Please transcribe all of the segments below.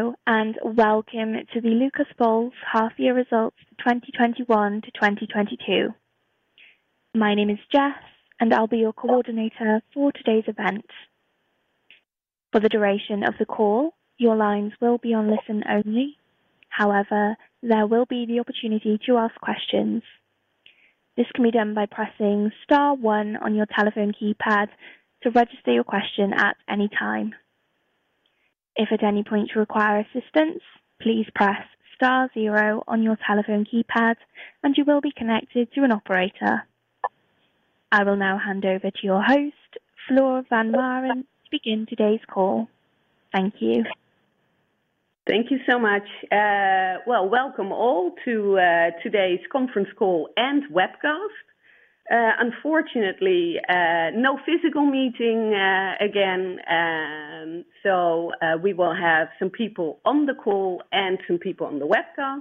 Hello, and welcome to the Lucas Bols Half Year Results 2021-2022. My name is Jess, and I'll be your coordinator for today's event. For the duration of the call, your lines will be on listen-only. However, there will be the opportunity to ask questions. This can be done by pressing star one on your telephone keypad to register your question at any time. If at any point you require assistance, please press star zero on your telephone keypad, and you will be connected to an operator. I will now hand over to your host, Floor van Baaren, to begin today's call. Thank you. Thank you so much. Well, welcome all to today's conference call and webcast. Unfortunately, no physical meeting again, so we will have some people on the call and some people on the webcast.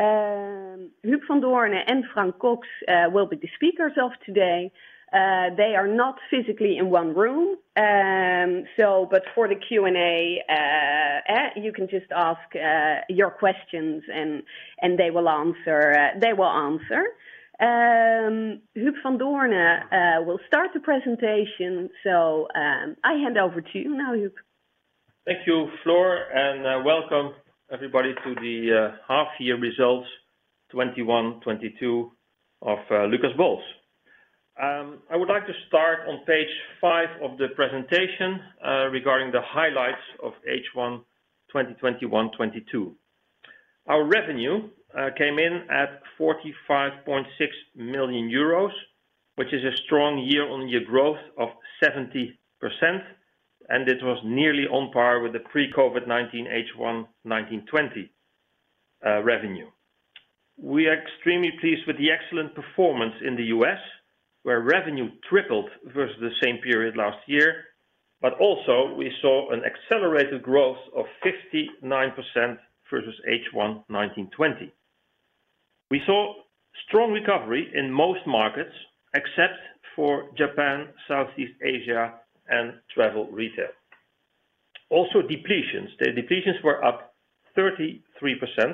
Huub van Doorne and Frank Cocx will be the speakers of today. They are not physically in one room. For the Q&A, you can just ask your questions and they will answer. Huub van Doorne will start the presentation. I hand over to you now, Huub. Thank you, Floor, and welcome everybody to the half-year results 2021-2022 of Lucas Bols. I would like to start on page five of the presentation regarding the highlights of H1 2021-2022. Our revenue came in at 45.6 million euros, which is a strong year-on-year growth of 70%, and it was nearly on par with the pre-COVID-19 H1 2019-2020 revenue. We are extremely pleased with the excellent performance in the U.S., where revenue tripled versus the same period last year, but also we saw an accelerated growth of 59% versus H1 2019-2020. We saw strong recovery in most markets except for Japan, Southeast Asia and travel retail. Also depletions. The depletions were up 33%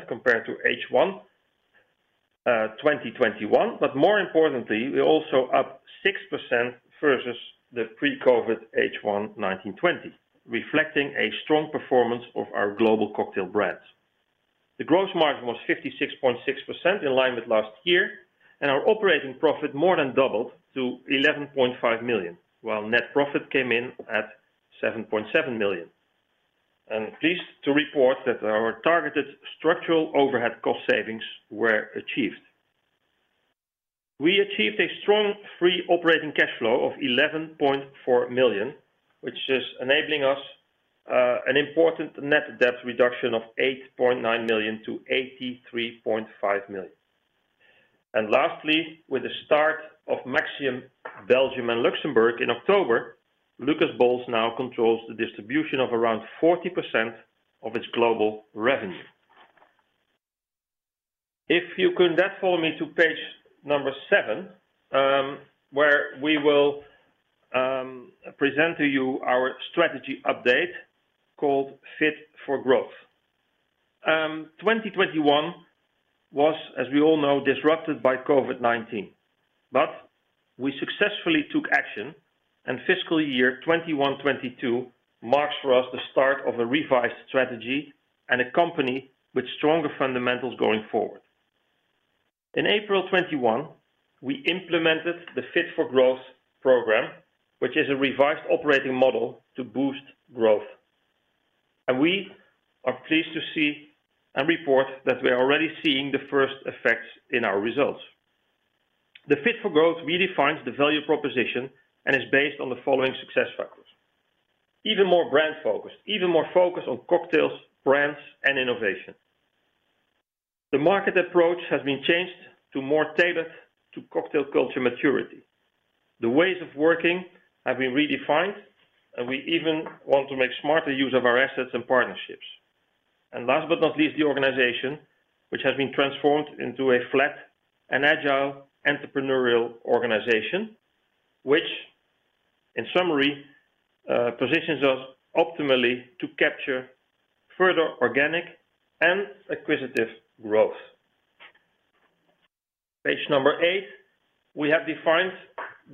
compared to H1 2021. More importantly, we're also up 6% versus the pre-COVID H1 2019-2020, reflecting a strong performance of our global cocktail brands. The gross margin was 56.6% in line with last year, and our operating profit more than doubled to 11.5 million, while net profit came in at 7.7 million. I'm pleased to report that our targeted structural overhead cost savings were achieved. We achieved a strong free operating cash flow of 11.4 million, which is enabling us an important net debt reduction of 8.9 million to 83.5 million. Lastly, with the start of Maxxium Belgium and Luxembourg in October, Lucas Bols now controls the distribution of around 40% of its global revenue. If you could follow me to page number seven, where we will present to you our strategy update called Fit for Growth. 2021 was, as we all know, disrupted by COVID-19. We successfully took action, and fiscal year 2021-2022 marks for us the start of a revised strategy and a company with stronger fundamentals going forward. In April 2021, we implemented the Fit for Growth program, which is a revised operating model to boost growth. We are pleased to see and report that we are already seeing the first effects in our results. The Fit for Growth redefines the value proposition and is based on the following success factors. Even more brand focus, even more focus on cocktails, brands and innovation. The market approach has been changed to more tailored to cocktail culture maturity. The ways of working have been redefined, and we even want to make smarter use of our assets and partnerships. Last but not least, the organization which has been transformed into a flat and agile entrepreneurial organization, which in summary positions us optimally to capture further organic and acquisitive growth. Page number eight, we have defined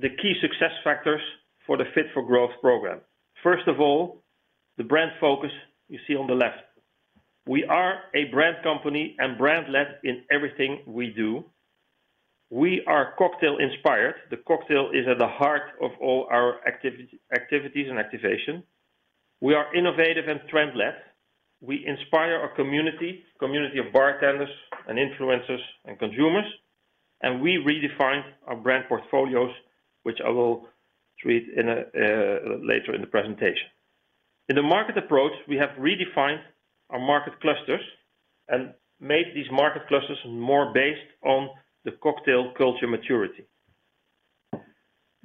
the key success factors for the Fit for Growth program. First of all, the brand focus you see on the left. We are a brand company and brand led in everything we do. We are cocktail inspired. The cocktail is at the heart of all our activities and activation. We are innovative and trend led. We inspire our community of bartenders and influencers and consumers, and we redefine our brand portfolios, which I will treat later in the presentation. In the market approach, we have redefined our market clusters and made these market clusters more based on the cocktail culture maturity.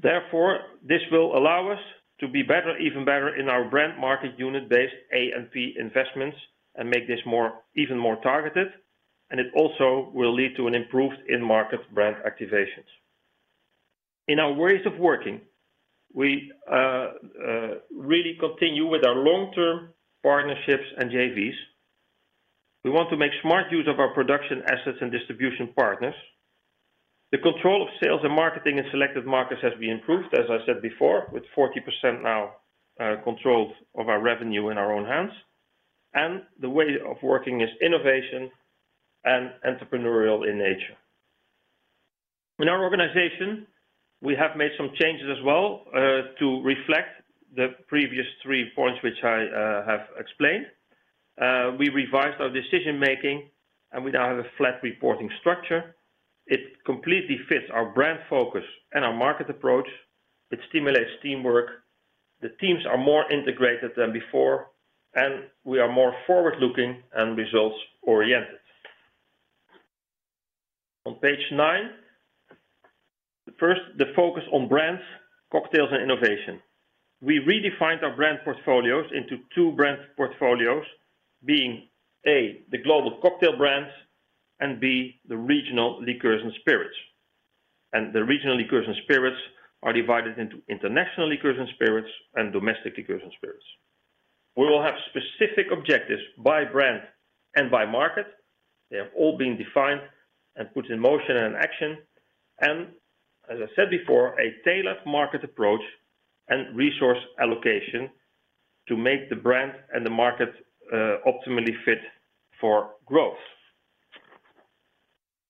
Therefore, this will allow us to be better, even better in our brand market unit based A&P investments and make this more, even more targeted. It also will lead to an improved in-market brand activations. In our ways of working, we really continue with our long-term partnerships and JVs. We want to make smart use of our production assets and distribution partners. The control of sales and marketing in selective markets has been improved, as I said before, with 40% now controlled of our revenue in our own hands, and the way of working is innovation and entrepreneurial in nature. In our organization, we have made some changes as well, to reflect the previous three points which I have explained. We revised our decision-making, and we now have a flat reporting structure. It completely fits our brand focus and our market approach. It stimulates teamwork. The teams are more integrated than before, and we are more forward-looking and results-oriented. On page nine, first, the focus on brands, cocktails, and innovation. We redefined our brand portfolios into two brand portfolios being A, the global cocktail brands, and B, the regional liquors and spirits. The regional liquors and spirits are divided into international liquors and spirits and domestic liquors and spirits. We will have specific objectives by brand and by market. They have all been defined and put in motion and action, and as I said before, a tailored market approach and resource allocation to make the brand and the market optimally Fit for Growth.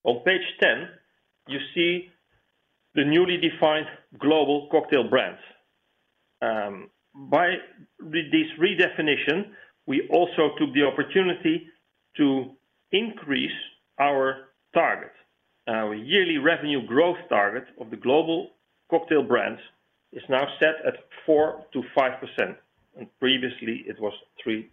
On page 10, you see the newly defined global cocktail brands. By this redefinition, we also took the opportunity to increase our target. Our yearly revenue growth target of the global cocktail brands is now set at 4%-5%. Previously, it was 3%-4%.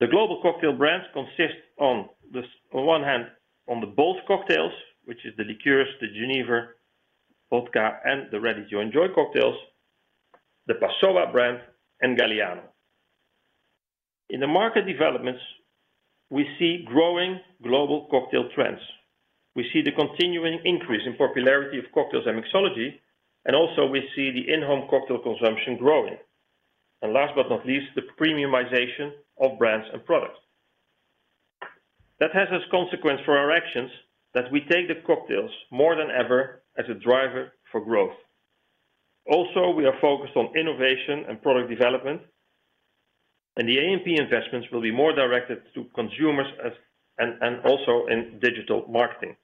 The global cocktail brands consist of this, on one hand, of the Bols Cocktails, which is the liqueurs, the genever, vodka, and the Ready-to-Enjoy Cocktails, the Passoã brand and Galliano. In the market developments, we see growing global cocktail trends. We see the continuing increase in popularity of cocktails and mixology, and also we see the in-home cocktail consumption growing. Last but not least, the premiumization of brands and products. That has as consequence for our actions that we take the cocktails more than ever as a driver for growth. We are focused on innovation and product development, and the A&P investments will be more directed to consumers and also in digital marketing.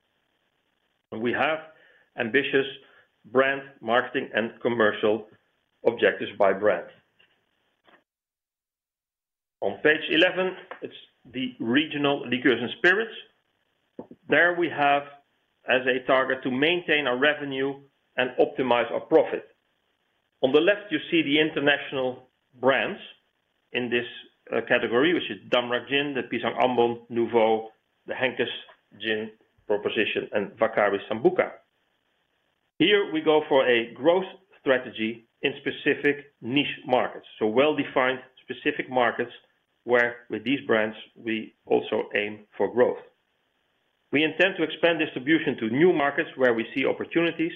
We have ambitious brand marketing and commercial objectives by brand. On page 11, it's the regional liquors and spirits. There we have as a target to maintain our revenue and optimize our profit. On the left, you see the international brands in this category, which is Damrak Gin, the Pisang Ambon, Nuvo, the Henkes Gin proposition, and Vaccari Sambuca. Here we go for a growth strategy in specific niche markets, so well-defined specific markets, where with these brands we also aim for growth. We intend to expand distribution to new markets where we see opportunities,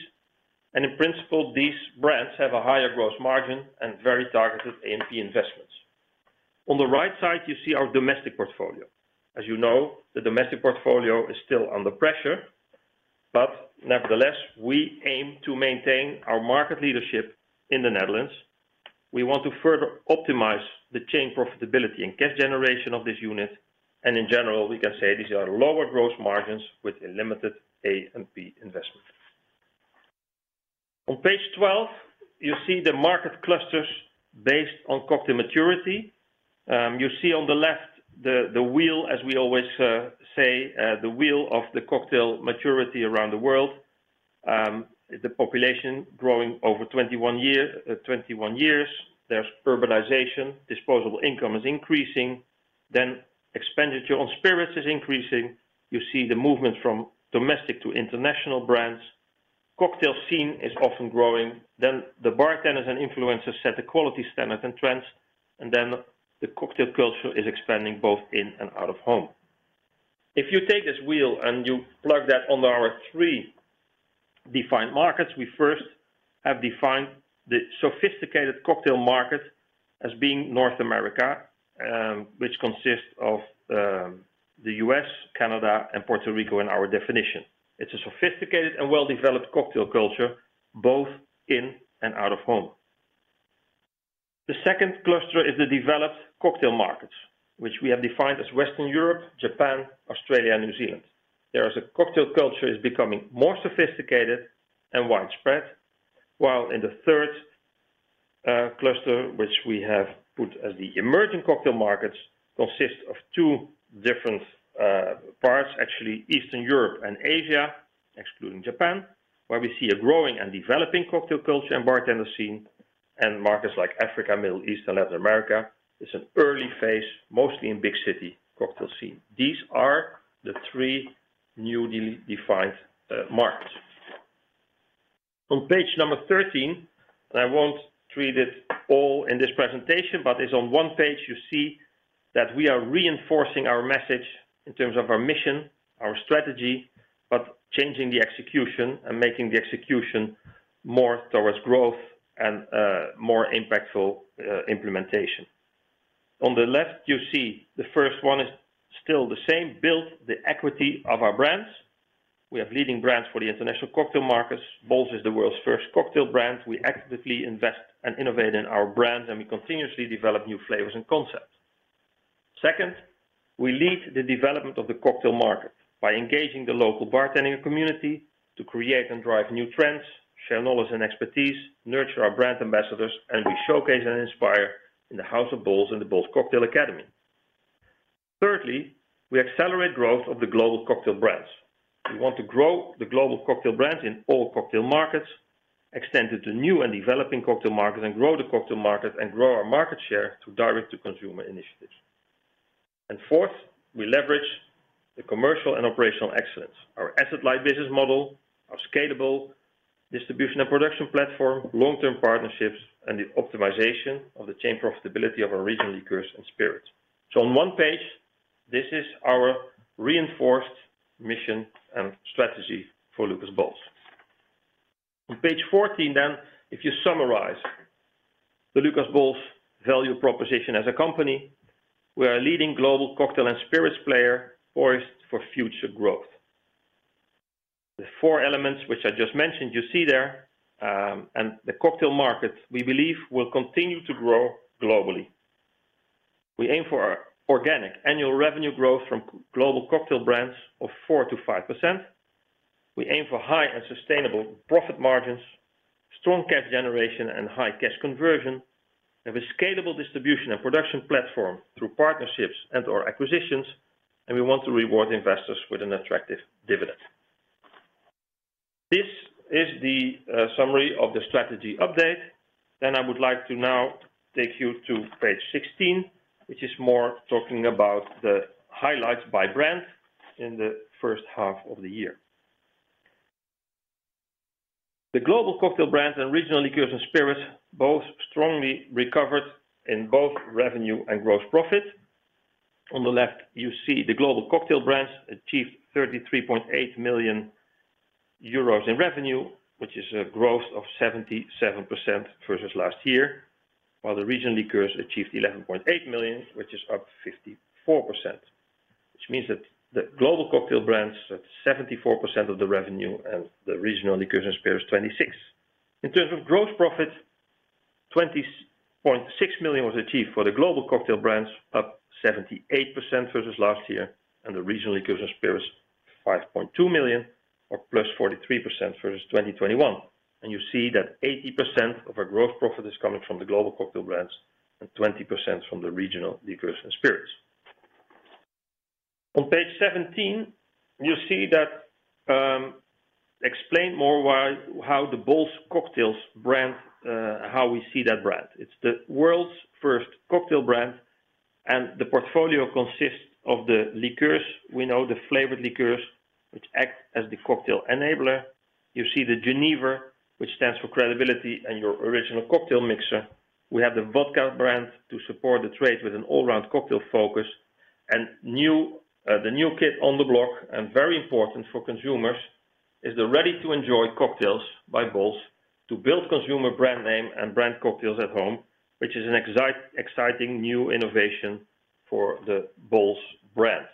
and in principle, these brands have a higher gross margin and very targeted A&P investments. On the right side, you see our domestic portfolio. As you know, the domestic portfolio is still under pressure, but nevertheless, we aim to maintain our market leadership in the Netherlands. We want to further optimize the chain profitability and cash generation of this unit. In general, we can say these are lower gross margins with a limited A&P investment. On page 12, you see the market clusters based on cocktail maturity. You see on the left the wheel, as we always say, the wheel of the cocktail maturity around the world. The population growing over 21 years. There's urbanization. Disposable income is increasing. Expenditure on spirits is increasing. You see the movement from domestic to international brands. Cocktail scene is often growing. The bartenders and influencers set the quality standards and trends, and the cocktail culture is expanding both in and out of home. If you take this wheel and you plug that on our three defined markets, we first have defined the sophisticated cocktail market as being North America, which consists of the U.S., Canada, and Puerto Rico in our definition. It's a sophisticated and well-developed cocktail culture, both in and out of home. The second cluster is the developed cocktail markets, which we have defined as Western Europe, Japan, Australia, New Zealand. There is a cocktail culture becoming more sophisticated and widespread. While in the third cluster, which we have put as the emerging cocktail markets, consists of two different parts, actually Eastern Europe and Asia, excluding Japan, where we see a growing and developing cocktail culture and bartending scene. Markets like Africa, Middle East, and Latin America is an early phase, mostly in big city cocktail scene. These are the three newly defined markets. On page 13, I won't read it all in this presentation, but it's on one page. You see that we are reinforcing our message in terms of our mission, our strategy, but changing the execution and making the execution more towards growth and more impactful implementation. On the left, you see the first one is still the same. Build the equity of our brands. We have leading brands for the international cocktail markets. Bols is the world's first cocktail brand. We actively invest and innovate in our brands, and we continuously develop new flavors and concepts. Second, we lead the development of the cocktail market by engaging the local bartending community to create and drive new trends, share knowledge and expertise, nurture our brand ambassadors, and we showcase and inspire in the House of Bols and the Bols Cocktail Academy. Thirdly, we accelerate growth of the global cocktail brands. We want to grow the global cocktail brands in all cocktail markets, extend it to new and developing cocktail markets, and grow the cocktail market and grow our market share through direct-to-consumer initiatives. Fourth, we leverage the commercial and operational excellence, our asset-light business model, our scalable distribution and production platform, long-term partnerships, and the optimization of the chain profitability of our regional liqueurs and spirits. On one page, this is our reinforced mission and strategy for Lucas Bols. On page 14, if you summarize the Lucas Bols value proposition as a company, we are a leading global cocktail and spirits player poised for future growth. The four elements which I just mentioned, you see there, and the cocktail market, we believe, will continue to grow globally. We aim for organic annual revenue growth from global cocktail brands of 4%-5%. We aim for high and sustainable profit margins, strong cash generation and high cash conversion. We have a scalable distribution and production platform through partnerships and/or acquisitions, and we want to reward investors with an attractive dividend. This is the summary of the strategy update. I would like to now take you to page 16, which is more talking about the highlights by brand in the first half of the year. The global cocktail brands and regional liqueurs and spirits both strongly recovered in both revenue and gross profit. On the left, you see the global cocktail brands achieved 33.8 million euros in revenue, which is a growth of 77% versus last year, while the regional liqueurs achieved 11.8 million, which is up 54%, which means that the global cocktail brands at 74% of the revenue and the regional liqueurs and spirits, 26%. In terms of gross profit, 20.6 million was achieved for the global cocktail brands, up 78% versus last year, and the regional liqueurs and spirits, 5.2 million or 43%+ versus 2021. You see that 80% of our gross profit is coming from the global cocktail brands and 20% from the regional liqueurs and spirits. On page 17, you see how the Bols Cocktails brand, how we see that brand. It's the world's first cocktail brand, and the portfolio consists of the liqueurs. We know the flavored liqueurs, which act as the cocktail enabler. You see the Genever, which stands for credibility and your original cocktail mixer. We have the vodka brand to support the trade with an all-round cocktail focus and new, the new kid on the block, and very important for consumers, is the Ready-to-Enjoy Cocktails by Bols to build consumer brand name and brand cocktails at home, which is an exciting new innovation for the Bols brand.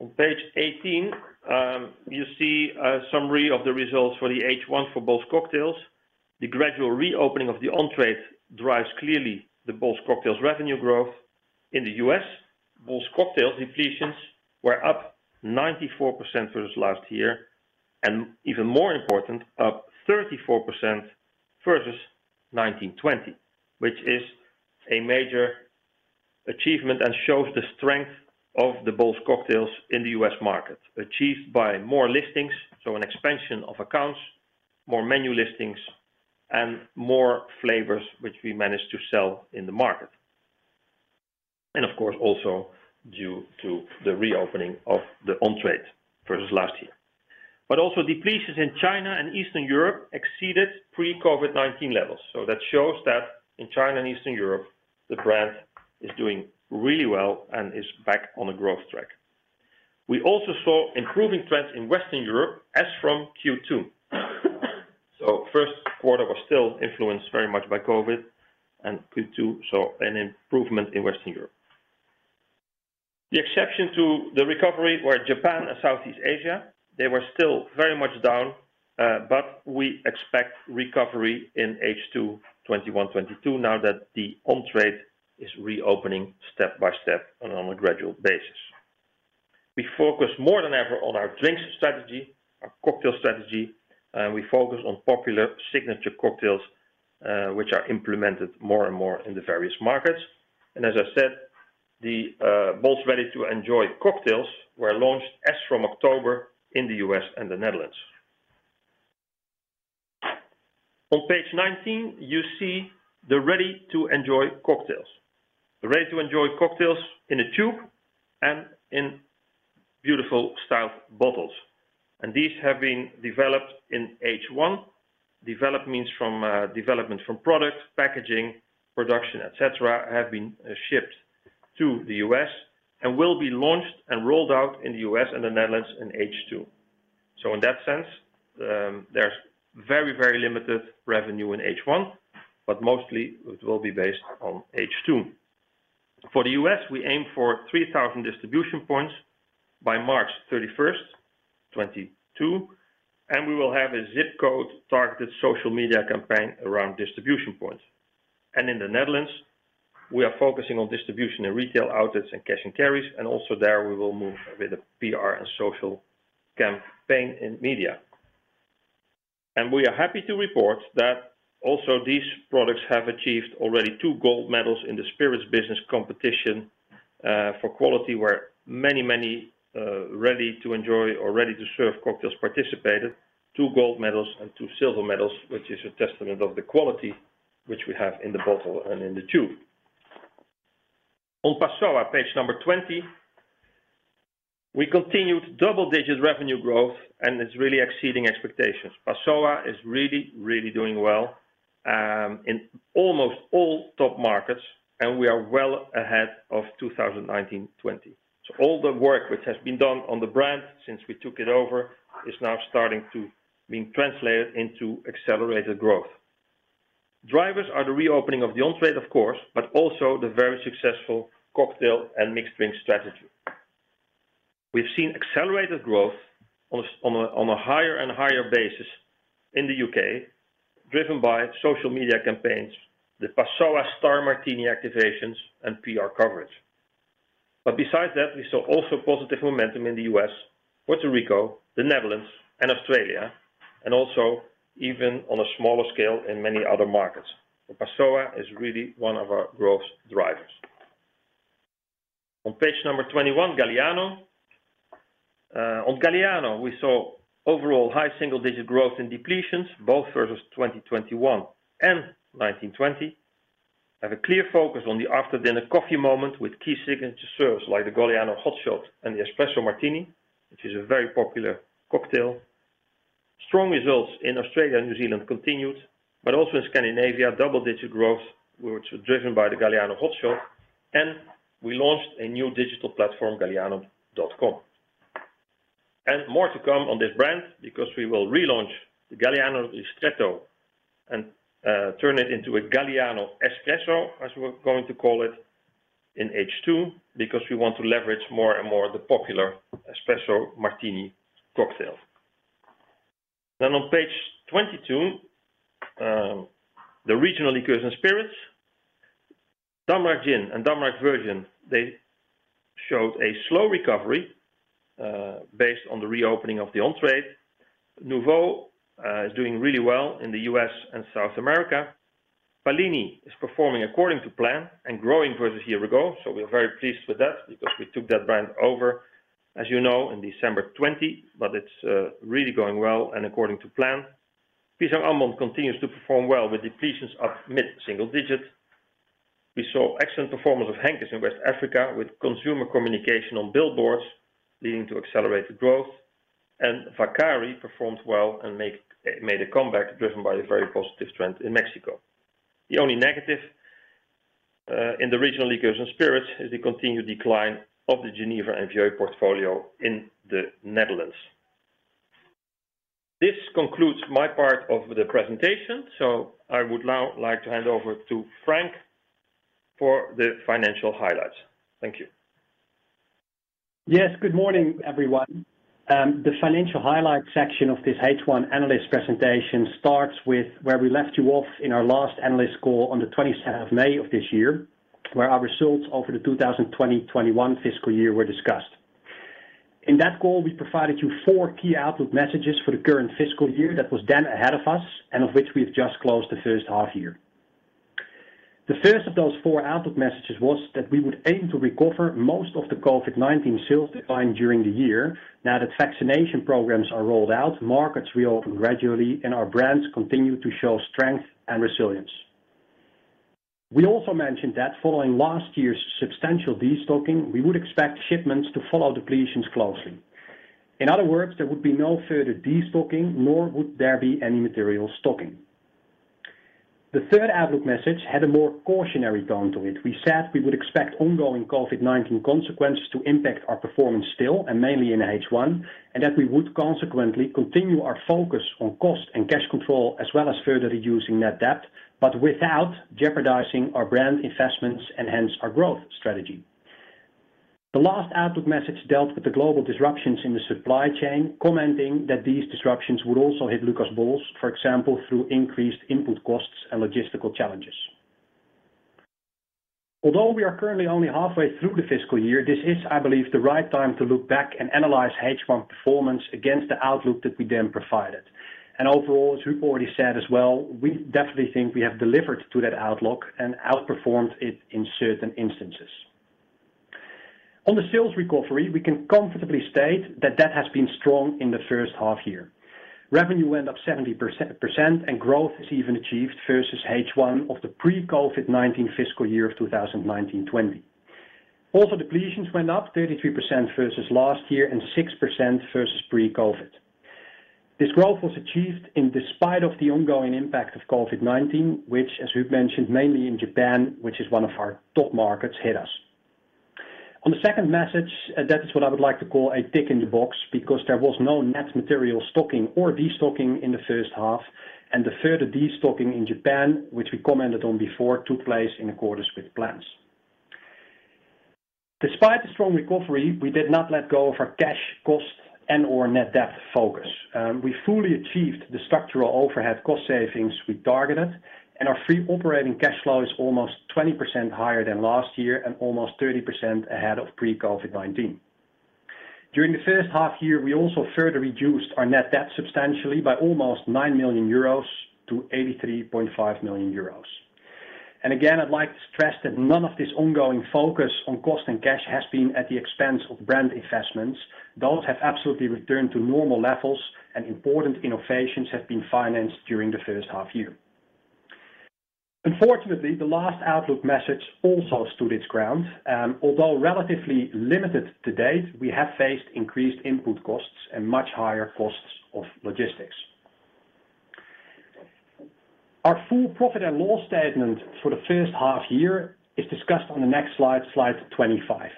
On page 18, you see a summary of the results for the H1 for Bols Cocktails. The gradual reopening of the on-trade drives clearly the Bols Cocktails revenue growth. In the U.S., Bols Cocktails depletions were up 94% versus last year, and even more important, up 34% versus 2019-2020, which is a major achievement and shows the strength of the Bols Cocktails in the U.S. market, achieved by more listings, so an expansion of accounts, more menu listings, and more flavors which we managed to sell in the market. Of course, also due to the reopening of the on-trade versus last year. Also depletions in China and Eastern Europe exceeded pre-COVID-19 levels. That shows that in China and Eastern Europe, the brand is doing really well and is back on a growth track. We also saw improving trends in Western Europe as from Q2. First quarter was still influenced very much by COVID, and Q2 saw an improvement in Western Europe. The exception to the recovery were Japan and Southeast Asia. They were still very much down, but we expect recovery in H2 2021-2022 now that the on-trade is reopening step-by-step and on a gradual basis. We focus more than ever on our drinks strategy, our cocktail strategy, and we focus on popular signature cocktails, which are implemented more and more in the various markets. As I said, the Bols Ready-to-Enjoy Cocktails were launched as from October in the U.S. and the Netherlands. On page 19, you see the Ready-to-Enjoy Cocktails. The Ready-to-Enjoy Cocktails in a tube and in beautiful styled bottles. These have been developed in H1. Developed means from development from product, packaging, production, etcetera, have been shipped to the U.S. and will be launched and rolled out in the U.S. and the Netherlands in H2. In that sense, there's very, very limited revenue in H1, but mostly it will be based on H2. For the U.S., we aim for 3,000 distribution points by March 31st, 2022, and we will have a zip code-targeted social media campaign around distribution points. In the Netherlands, we are focusing on distribution in retail outlets and cash and carries, and also there we will move with a PR and social campaign in media. We are happy to report that also these products have achieved already two gold medals in the Spirits Business competition, for quality, where many, many, ready-to-enjoy or ready-to-serve cocktails participated. Two gold medals and two silver medals, which is a testament of the quality which we have in the bottle and in the tube. On Passoã, page number 20, we continued double-digit revenue growth, and it's really exceeding expectations. Passoã is really, really doing well in almost all top markets, and we are well ahead of 2019-2020. All the work which has been done on the brand since we took it over is now starting to being translated into accelerated growth. Drivers are the reopening of the on-trade, of course, but also the very successful cocktail and mixed drink strategy. We've seen accelerated growth on a higher and higher basis in the U.K., driven by social media campaigns, the Passoã Star Martini activations and PR coverage. Besides that, we saw also positive momentum in the U.S., Puerto Rico, the Netherlands and Australia, and also even on a smaller scale in many other markets. Passoã is really one of our growth drivers. On page number 21, Galliano. On Galliano, we saw overall high single-digit growth in depletions, both versus 2021 and 1920. We have a clear focus on the after-dinner coffee moment with key signature serves like the Galliano Hot Shot and the Espresso Martini, which is a very popular cocktail. Strong results in Australia and New Zealand continued, but also in Scandinavia, double-digit growth, which were driven by the Galliano Hot Shot. We launched a new digital platform, galliano.com. More to come on this brand because we will relaunch the Galliano Ristretto and turn it into a Galliano Espresso, as we're going to call it, in H2, because we want to leverage more and more the popular Espresso Martini cocktail. On page 22, the regional liqueurs and spirits. Damrak Gin and Damrak Virgin, they showed a slow recovery based on the reopening of the on-trade. Nuvo is doing really well in the U.S. and South America. Pallini is performing according to plan and growing versus year ago, so we are very pleased with that because we took that brand over, as you know, in December 2020, but it's really going well and according to plan. Pisang Ambon continues to perform well with depletions of mid-single digit. We saw excellent performance of Henkes in West Africa with consumer communication on billboards leading to accelerated growth. Vaccari performs well and made a comeback driven by the very positive trend in Mexico. The only negative in the regional liquors and spirits is the continued decline of the Genever and Vieux portfolio in the Netherlands. This concludes my part of the presentation, so I would now like to hand over to Frank for the financial highlights. Thank you. Yes, good morning, everyone. The financial highlights section of this H1 analyst presentation starts with where we left you off in our last analyst call on the 27th of May of this year, where our results over the 2020-2021 fiscal year were discussed. In that call, we provided you four key outlook messages for the current fiscal year that was then ahead of us, and of which we've just closed the first half year. The first of those four outlook messages was that we would aim to recover most of the COVID-19 sales decline during the year. Now that vaccination programs are rolled out, markets reopen gradually, and our brands continue to show strength and resilience. We also mentioned that following last year's substantial destocking, we would expect shipments to follow depletions closely. In other words, there would be no further destocking, nor would there be any material stocking. The third outlook message had a more cautionary tone to it. We said we would expect ongoing COVID-19 consequences to impact our performance still, and mainly in H1, and that we would consequently continue our focus on cost and cash control, as well as further reducing net debt, but without jeopardizing our brand investments and hence our growth strategy. The last outlook message dealt with the global disruptions in the supply chain, commenting that these disruptions would also hit Lucas Bols, for example, through increased input costs and logistical challenges. Although we are currently only halfway through the fiscal year, this is, I believe, the right time to look back and analyze H1 performance against the outlook that we then provided. Overall, as Huub already said as well, we definitely think we have delivered to that outlook and outperformed it in certain instances. On the sales recovery, we can comfortably state that that has been strong in the first half year. Revenue went up 70%, and growth is even achieved versus H1 of the pre-COVID-19 fiscal year of 2019-2020. Also, depletions went up 33% versus last year and 6% versus pre-COVID. This growth was achieved despite the ongoing impact of COVID-19, which as we've mentioned, mainly in Japan, which is one of our top markets, hit us. On the second message, that is what I would like to call a tick in the box because there was no net material stocking or destocking in the first half, and the further destocking in Japan, which we commented on before, took place in accordance with plans. Despite the strong recovery, we did not let go of our cash cost and or net debt focus. We fully achieved the structural overhead cost savings we targeted, and our free operating cash flow is almost 20% higher than last year and almost 30% ahead of pre-COVID-19. During the first half year, we also further reduced our net debt substantially by almost 9 million euros to 83.5 million euros. Again, I'd like to stress that none of this ongoing focus on cost and cash has been at the expense of brand investments. Those have absolutely returned to normal levels and important innovations have been financed during the first half year. Unfortunately, the last outlook message also stood its ground. Although relatively limited to date, we have faced increased input costs and much higher costs of logistics. Our full profit and loss statement for the first half year is discussed on the next slide 25.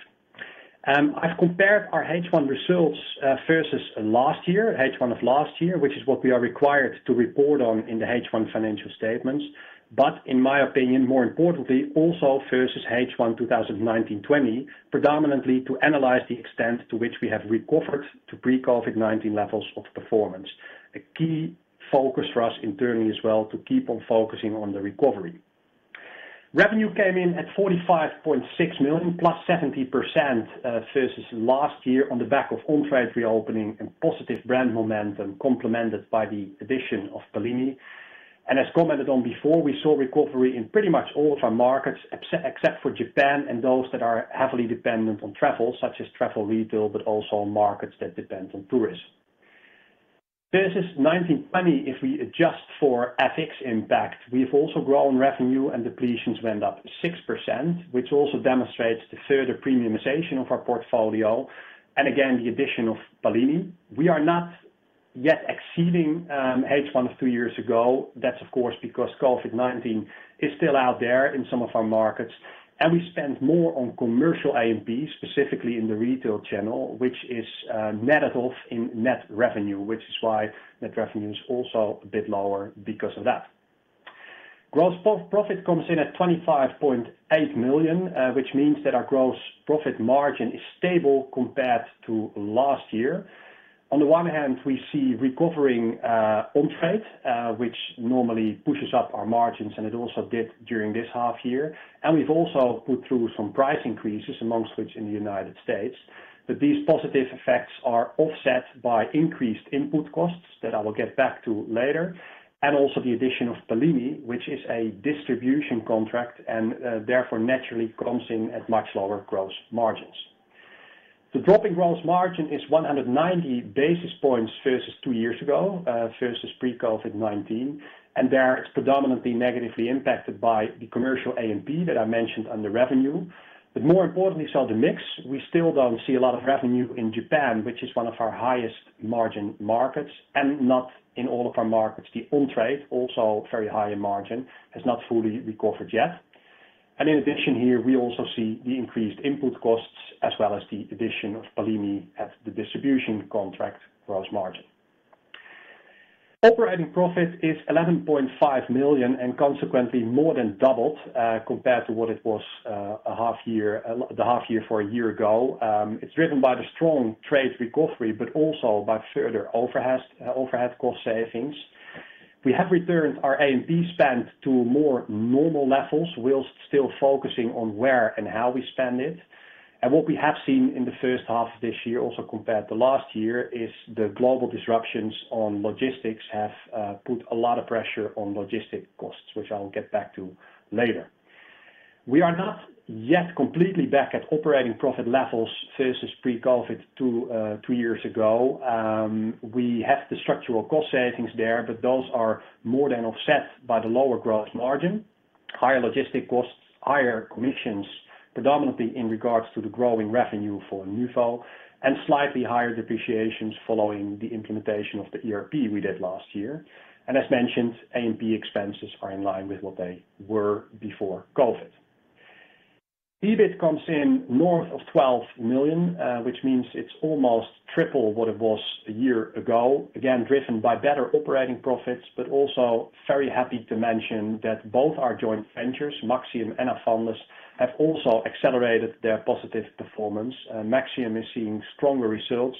I've compared our H1 results versus last year, H1 of last year, which is what we are required to report on in the H1 financial statements. In my opinion, more importantly, also versus H1 2019-2020, predominantly to analyze the extent to which we have recovered to pre-COVID-19 levels of performance. A key focus for us internally as well, to keep on focusing on the recovery. Revenue came in at 45.6 million, 70%+ versus last year on the back of on-trade reopening and positive brand momentum, complemented by the addition of Pallini. As commented on before, we saw recovery in pretty much all of our markets except for Japan and those that are heavily dependent on travel, such as travel retail, but also on markets that depend on tourists. Versus 2019-2020, if we adjust for FX impact, we have also grown revenue and depletions went up 6%, which also demonstrates the further premiumization of our portfolio, and again, the addition of Pallini. We are not yet exceeding H1 of two years ago. That's of course because COVID-19 is still out there in some of our markets, and we spend more on commercial A&P, specifically in the retail channel, which is netted off in net revenue, which is why net revenue is also a bit lower because of that. Gross profit comes in at 25.8 million, which means that our gross profit margin is stable compared to last year. On the one hand, we see recovering on-trade, which normally pushes up our margins, and it also did during this half year. We've also put through some price increases, among which in the United States. These positive effects are offset by increased input costs that I will get back to later, and also the addition of Pallini, which is a distribution contract and therefore naturally comes in at much lower gross margins. The drop in gross margin is 190 basis points versus two years ago versus pre-COVID-19, and there it's predominantly negatively impacted by the commercial A&P that I mentioned under revenue. More importantly, it's the mix. We still don't see a lot of revenue in Japan, which is one of our highest margin markets and not in all of our markets. The on-trade, also very high in margin, has not fully recovered yet. In addition here, we also see the increased input costs as well as the addition of Pallini at the distribution contract gross margin. Operating profit is 11.5 million and consequently more than doubled compared to what it was a half year, the half year a year ago. It's driven by the strong on-trade recovery, but also by further overhead cost savings. We have returned our A&P spend to more normal levels. We're still focusing on where and how we spend it. What we have seen in the first half of this year, also compared to last year, is the global disruptions on logistics have put a lot of pressure on logistic costs, which I'll get back to later. We are not yet completely back at operating profit levels versus pre-COVID two years ago. We have the structural cost savings there, but those are more than offset by the lower gross margin, higher logistic costs, higher commissions, predominantly in regards to the growing revenue for Nuvo, and slightly higher depreciations following the implementation of the ERP we did last year. As mentioned, A&P expenses are in line with what they were before COVID. EBIT comes in north of 12 million, which means it's almost triple what it was a year ago. Again, driven by better operating profits, but also very happy to mention that both our joint ventures, Maxxium and Avandis, have also accelerated their positive performance. Maxxium is seeing stronger results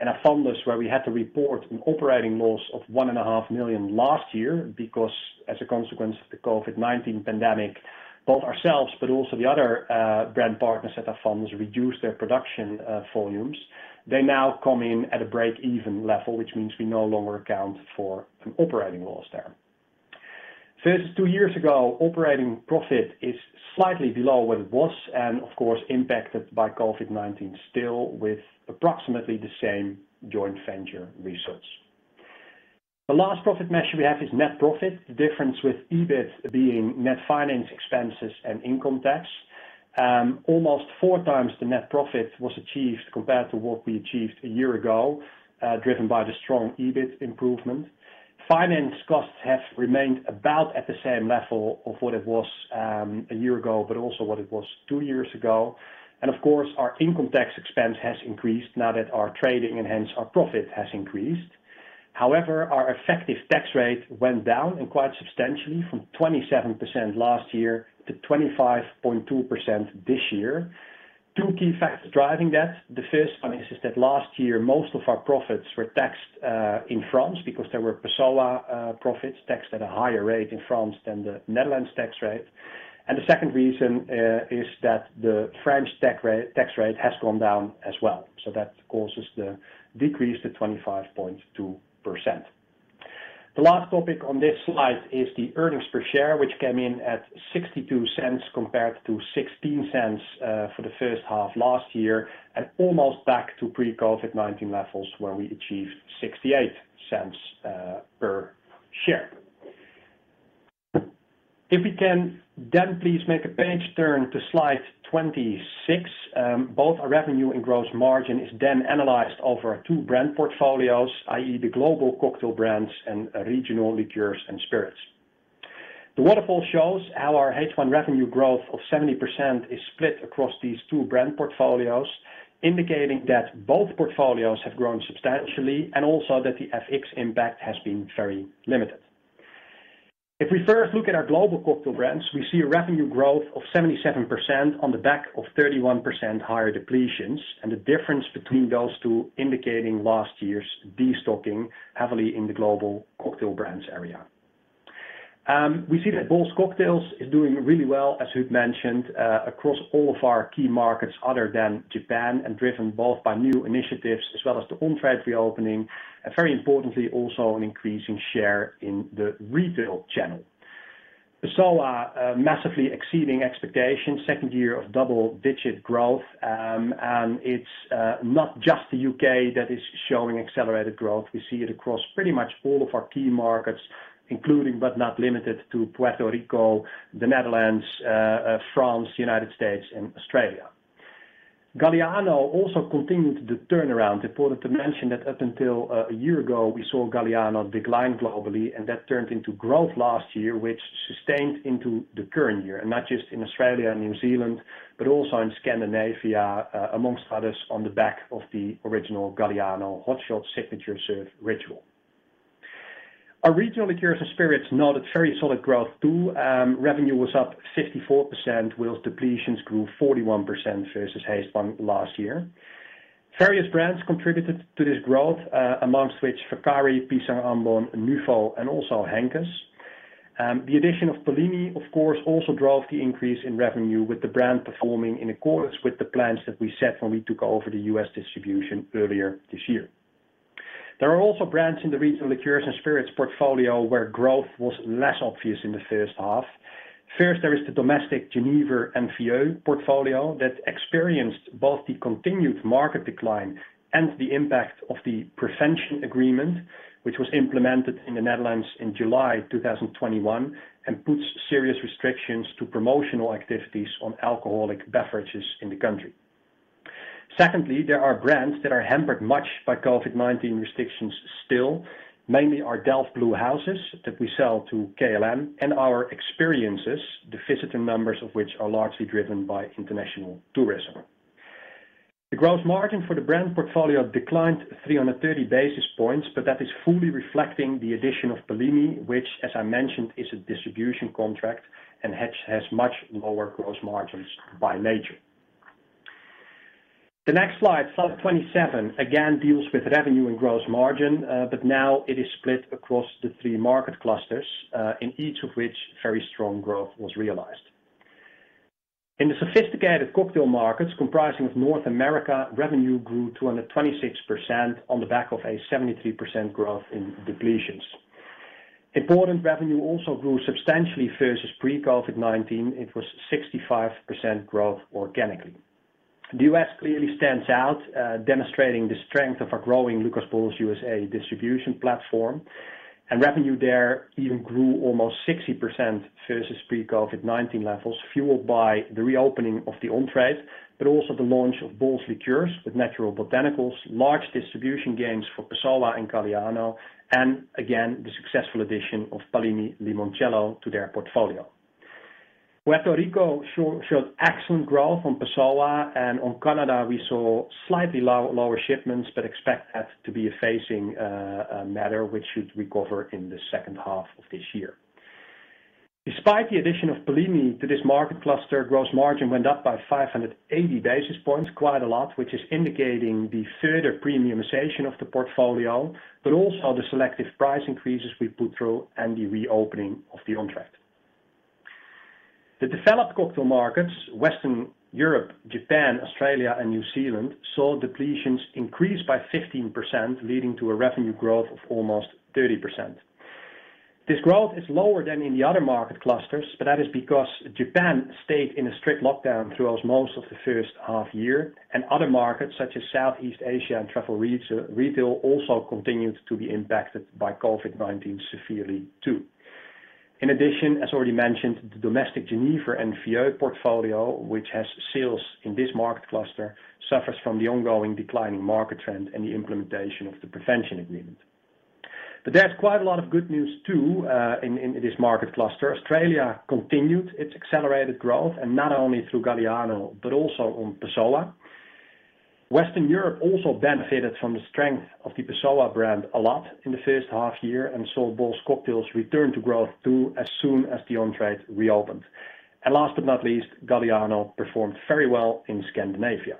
and Avandis, where we had to report an operating loss of 1.5 million last year because as a consequence of the COVID-19 pandemic, both ourselves but also the other brand partners at Avandis reduced their production volumes. They now come in at a break-even level, which means we no longer account for an operating loss there. First, two years ago, operating profit is slightly below what it was and of course impacted by COVID-19 still with approximately the same joint venture results. The last profit measure we have is net profit. The difference with EBIT being net finance expenses and income tax. Almost 4x the net profit was achieved compared to what we achieved a year ago, driven by the strong EBIT improvement. Finance costs have remained about at the same level of what it was a year ago, but also what it was two years ago. Of course, our income tax expense has increased now that our trading and hence our profit has increased. However, our effective tax rate went down quite substantially from 27% last year to 25.2% this year. Two key factors driving that. The first one is that last year, most of our profits were taxed in France because there were Passoã profits taxed at a higher rate in France than the Netherlands tax rate. The second reason is that the French tax rate has gone down as well. That causes the decrease to 25.2%. The last topic on this slide is the earnings per share, which came in at 0.62 compared to 0.16 for the first half last year, and almost back to pre-COVID-19 levels where we achieved 0.68/share. If we can please make a page turn to slide 26. Both our revenue and gross margin is then analyzed over two brand portfolios, i.e. the global cocktail brands and regional liqueurs and spirits. The waterfall shows how our H1 revenue growth of 70% is split across these two brand portfolios, indicating that both portfolios have grown substantially and also that the FX impact has been very limited. If we first look at our global cocktail brands, we see a revenue growth of 77% on the back of 31% higher depletions, and the difference between those two indicating last year's destocking heavily in the global cocktail brands area. We see that Bols Cocktails is doing really well, as Huub mentioned, across all of our key markets other than Japan, and driven both by new initiatives as well as the on-trade reopening, and very importantly, also an increasing share in the retail channel. Passoã massively exceeding expectations, second year of double-digit growth. It's not just the U.K. that is showing accelerated growth. We see it across pretty much all of our key markets, including but not limited to Puerto Rico, the Netherlands, France, United States, and Australia. Galliano also continued the turnaround. Important to mention that up until a year ago, we saw Galliano decline globally, and that turned into growth last year, which sustained into the current year, and not just in Australia and New Zealand, but also in Scandinavia, amongst others, on the back of the original Galliano Hot Shots signature serve ritual. Our regional liqueurs and spirits noted very solid growth too. Revenue was up 54%, whilst depletions grew 41% versus H1 last year. Various brands contributed to this growth, amongst which Vaccari, Pisang Ambon, Nuvo, and also Henkes. The addition of Pallini, of course, also drove the increase in revenue with the brand performing in accordance with the plans that we set when we took over the U.S. distribution earlier this year. There are also brands in the regional liqueurs and spirits portfolio where growth was less obvious in the first half. First, there is the domestic Genever and Vieux portfolio that experienced both the continued market decline and the impact of the Prevention Agreement, which was implemented in the Netherlands in July 2021 and puts serious restrictions to promotional activities on alcoholic beverages in the country. Secondly, there are brands that are hampered much by COVID-19 restrictions still, mainly our Delft Blue Houses that we sell to KLM and our experiences, the visitor numbers of which are largely driven by international tourism. The gross margin for the brand portfolio declined 330 basis points, but that is fully reflecting the addition of Pallini, which as I mentioned, is a distribution contract and has much lower gross margins by nature. The next slide 27, again deals with revenue and gross margin, but now it is split across the three market clusters, in each of which very strong growth was realized. In the sophisticated cocktail markets comprising of North America, revenue grew 226% on the back of a 73% growth in depletions. Importantly, revenue also grew substantially versus pre-COVID-19. It was 65% growth organically. The U.S. clearly stands out, demonstrating the strength of our growing Lucas Bols USA distribution platform. Revenue there even grew almost 60% versus pre-COVID-19 levels, fueled by the reopening of the on-trade, but also the launch of Bols Liqueurs with natural botanicals, large distribution gains for Passoã and Galliano, and again, the successful addition of Pallini Limoncello to their portfolio. Puerto Rico showed excellent growth on Passoã, and on Canada we saw slightly lower shipments, but expect that to be a phasing matter which should recover in the second half of this year. Despite the addition of Pallini to this market cluster, gross margin went up by 580 basis points quite a lot, which is indicating the further premiumization of the portfolio, but also the selective price increases we put through and the reopening of the on-trade. The developed cocktail markets, Western Europe, Japan, Australia and New Zealand, saw depletions increase by 15%, leading to a revenue growth of almost 30%. This growth is lower than in the other market clusters, but that is because Japan stayed in a strict lockdown throughout most of the first half year. Other markets, such as Southeast Asia and travel retail, also continued to be impacted by COVID-19 severely too. In addition, as already mentioned, the domestic Genever and Vieux portfolio, which has sales in this market cluster, suffers from the ongoing declining market trend and the implementation of the Prevention Agreement. There's quite a lot of good news, too, in this market cluster. Australia continued its accelerated growth, and not only through Galliano, but also on Passoã. Western Europe also benefited from the strength of the Passoã brand a lot in the first half year, and saw Bols Cocktails return to growth, too, as soon as the on-trade reopened. Last but not least, Galliano performed very well in Scandinavia.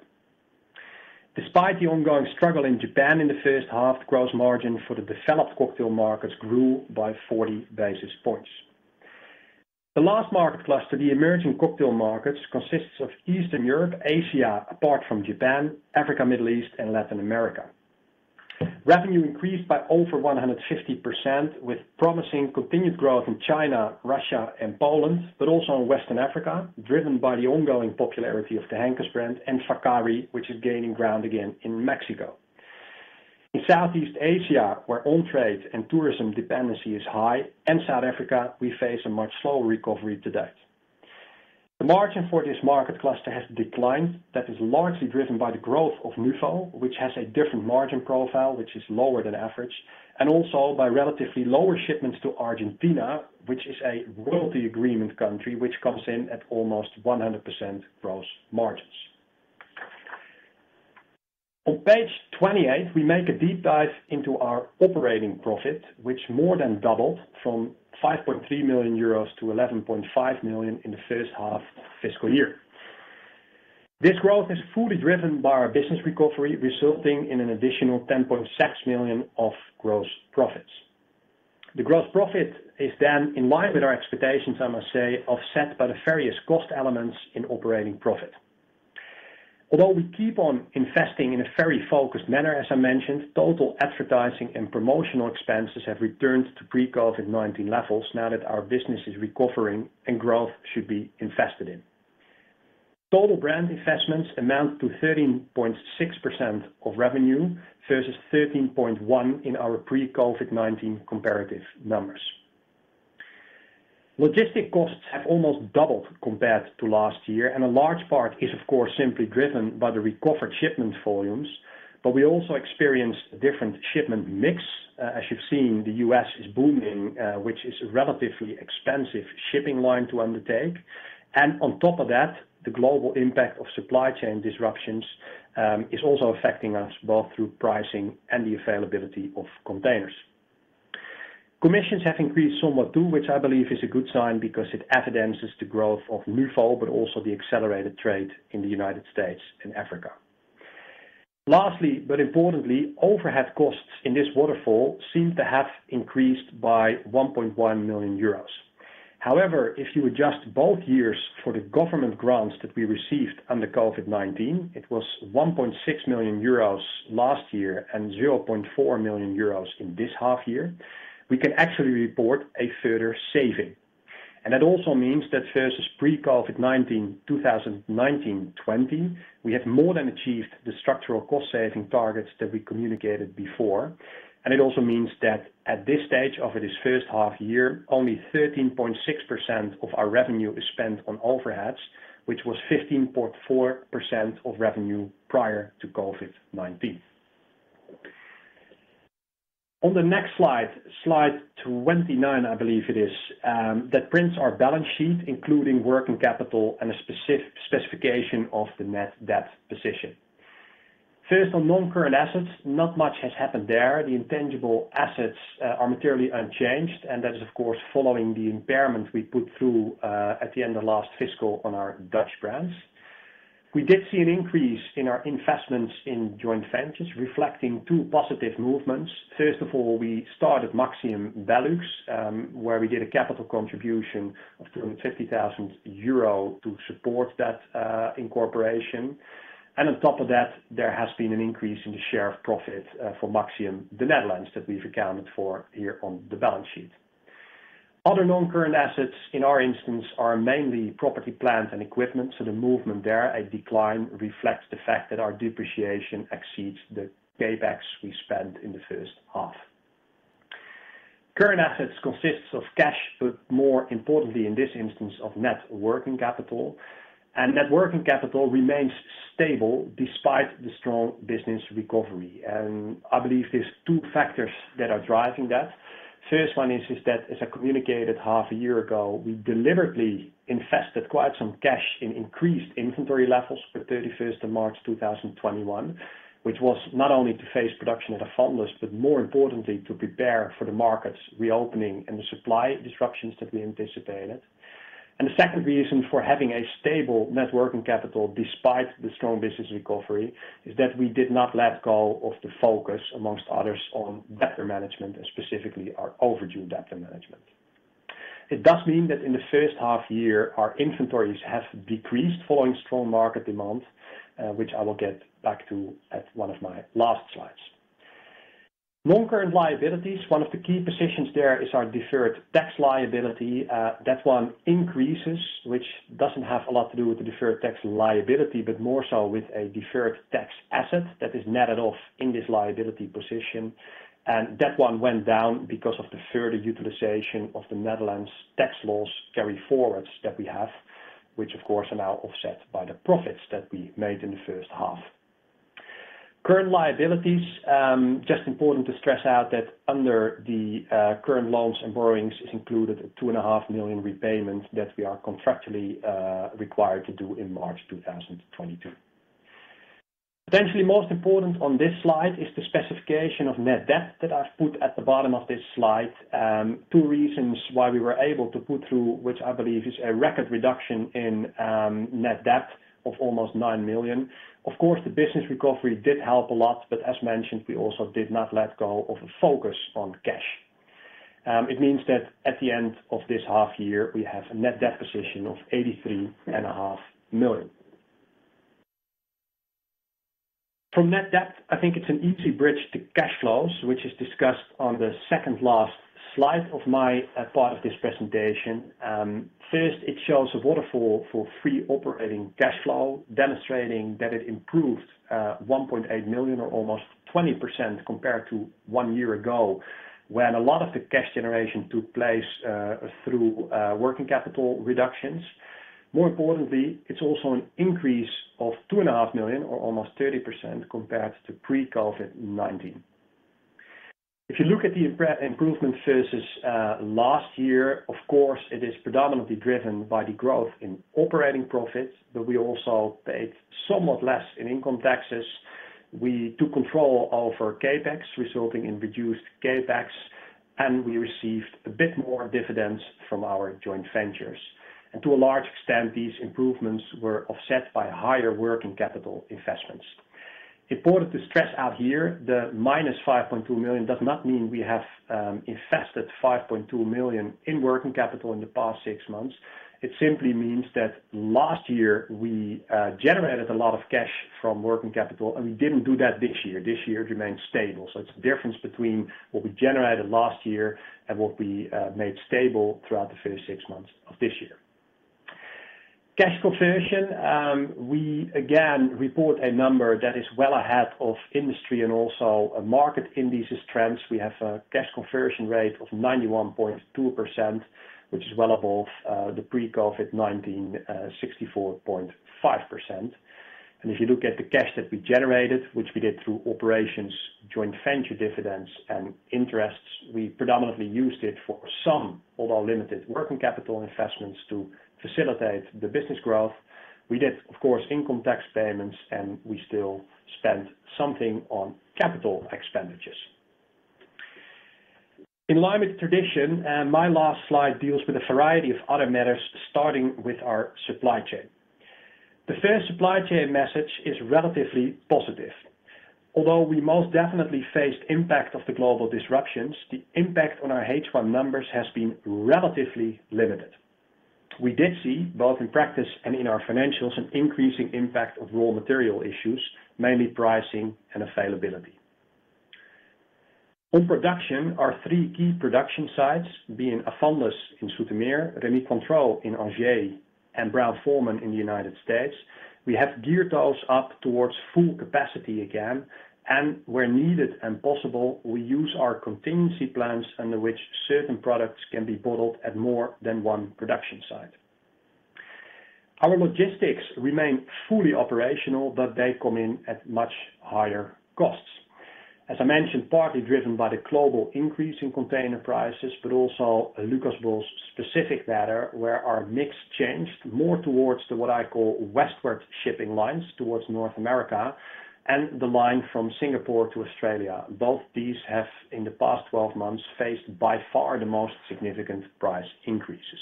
Despite the ongoing struggle in Japan in the first half, gross margin for the developed cocktail markets grew by 40 basis points. The last market cluster, the emerging cocktail markets, consists of Eastern Europe, Asia, apart from Japan, Africa, Middle East and Latin America. Revenue increased by over 150%, with promising continued growth in China, Russia and Poland, but also in Western Africa, driven by the ongoing popularity of the Henkes brand and Vaccari, which is gaining ground again in Mexico. In Southeast Asia, where on-trade and tourism dependency is high, and South Africa, we face a much slower recovery to date. The margin for this market cluster has declined. That is largely driven by the growth of Nuvo, which has a different margin profile, which is lower than average, and also by relatively lower shipments to Argentina, which is a royalty agreement country, which comes in at almost 100% gross margins. On page 28, we make a deep dive into our operating profit, which more than doubled from 5.3 million euros to 11.5 million in the first half fiscal year. This growth is fully driven by our business recovery, resulting in an additional 10.6 million of gross profits. The gross profit is then in line with our expectations, I must say, offset by the various cost elements in operating profit. Although we keep on investing in a very focused manner, as I mentioned, total advertising and promotional expenses have returned to pre-COVID-19 levels now that our business is recovering and growth should be invested in. Total brand investments amount to 13.6% of revenue versus 13.1% in our pre-COVID-19 comparative numbers. Logistics costs have almost doubled compared to last year, and a large part is, of course, simply driven by the recovered shipment volumes. We also experienced a different shipment mix. As you've seen, the U.S. is booming, which is a relatively expensive shipping line to undertake. On top of that, the global impact of supply chain disruptions is also affecting us both through pricing and the availability of containers. Commissions have increased somewhat, too, which I believe is a good sign because it evidences the growth of Nuvo, but also the accelerated trade in the United States and Africa. Lastly, but importantly, overhead costs in this waterfall seem to have increased by 1.1 million euros. However, if you adjust both years for the government grants that we received under COVID-19, it was 1.6 million euros last year and 0.4 million euros in this half year, we can actually report a further saving. That also means that versus pre-COVID-19, 2019-2020, we have more than achieved the structural cost-saving targets that we communicated before. It also means that at this stage of this first half year, only 13.6% of our revenue is spent on overheads, which was 15.4% of revenue prior to COVID-19. On the next slide 29, I believe it is, that presents our balance sheet, including working capital and a specification of the net debt position. First, on non-current assets, not much has happened there. The intangible assets are materially unchanged, and that is, of course, following the impairment we put through at the end of last fiscal on our Dutch brands. We did see an increase in our investments in joint ventures reflecting two positive movements. First of all, we started Maxxium BeLux, where we did a capital contribution of 78,000 euro to support that incorporation. On top of that, there has been an increase in the share of profit for Maxxium, the Netherlands, that we've accounted for here on the balance sheet. Other non-current assets in our instance are mainly property, plant and equipment. The movement there, a decline, reflects the fact that our depreciation exceeds the CapEx we spent in the first half. Current assets consists of cash, but more importantly, in this instance, of net working capital. Net working capital remains stable despite the strong business recovery. I believe there's two factors that are driving that. First one is that, as I communicated half a year ago, we deliberately invested quite some cash in increased inventory levels for 31st of March 2021, which was not only to phase production at a fullness, but more importantly, to prepare for the market's reopening and the supply disruptions that we anticipated. The second reason for having a stable net working capital despite the strong business recovery is that we did not let go of the focus, among others, on debtor management and specifically our overdue debtor management. It does mean that in the first half year, our inventories have decreased following strong market demand, which I will get back to at one of my last slides. Non-current liabilities, one of the key positions there is our deferred tax liability. That one increases, which doesn't have a lot to do with the deferred tax liability, but more so with a deferred tax asset that is netted off in this liability position. That one went down because of the further utilization of the Netherlands tax loss carryforwards that we have, which of course are now offset by the profits that we made in the first half. Current liabilities, just important to stress that under the current loans and borrowings is included 2.5 million repayments that we are contractually required to do in March 2022. Potentially most important on this slide is the specification of net debt that I've put at the bottom of this slide. Two reasons why we were able to put through, which I believe is a record reduction in net debt of almost 9 million. Of course, the business recovery did help a lot, but as mentioned, we also did not let go of a focus on cash. It means that at the end of this half year, we have a net debt position of 83.5 million. From net debt, I think it's an easy bridge to cash flows, which is discussed on the second last slide of my part of this presentation. First it shows a waterfall for free operating cash flow, demonstrating that it improved 1.8 million or almost 20% compared to one year ago, when a lot of the cash generation took place through working capital reductions. More importantly, it's also an increase of 2.5 million or almost 30% compared to pre-COVID-19. If you look at the improvement versus last year, of course, it is predominantly driven by the growth in operating profits, but we also paid somewhat less in income taxes. We took control over CapEx, resulting in reduced CapEx, and we received a bit more dividends from our joint ventures. To a large extent, these improvements were offset by higher working capital investments. Important to stress out here, the -5.2 million does not mean we have invested 5.2 million in working capital in the past six months. It simply means that last year we generated a lot of cash from working capital, and we didn't do that this year. This year it remained stable. It's the difference between what we generated last year and what we made stable throughout the first six months of this year. Cash conversion, we again report a number that is well ahead of industry and also market indices trends. We have a cash conversion rate of 91.2%, which is well above the pre-COVID-19 64.5%. If you look at the cash that we generated, which we did through operations, joint venture dividends, and interests, we predominantly used it for some of our limited working capital investments to facilitate the business growth. We did, of course, income tax payments, and we still spent something on capital expenditures. In line with tradition, my last slide deals with a variety of other matters, starting with our supply chain. The first supply chain message is relatively positive. Although we most definitely faced impact of the global disruptions, the impact on our H1 numbers has been relatively limited. We did see, both in practice and in our financials, an increasing impact of raw material issues, mainly pricing and availability. On production, our three key production sites, being Avandis in Zoetermeer, Rémy Cointreau in Angers, and Brown-Forman in the United States, we have geared those up towards full capacity again, and where needed and possible, we use our contingency plans under which certain products can be bottled at more than one production site. Our logistics remain fully operational, but they come in at much higher costs. As I mentioned, partly driven by the global increase in container prices, but also a Lucas Bols specific matter where our mix changed more towards the, what I call westward shipping lines towards North America and the line from Singapore to Australia. Both these have, in the past 12 months, faced by far the most significant price increases.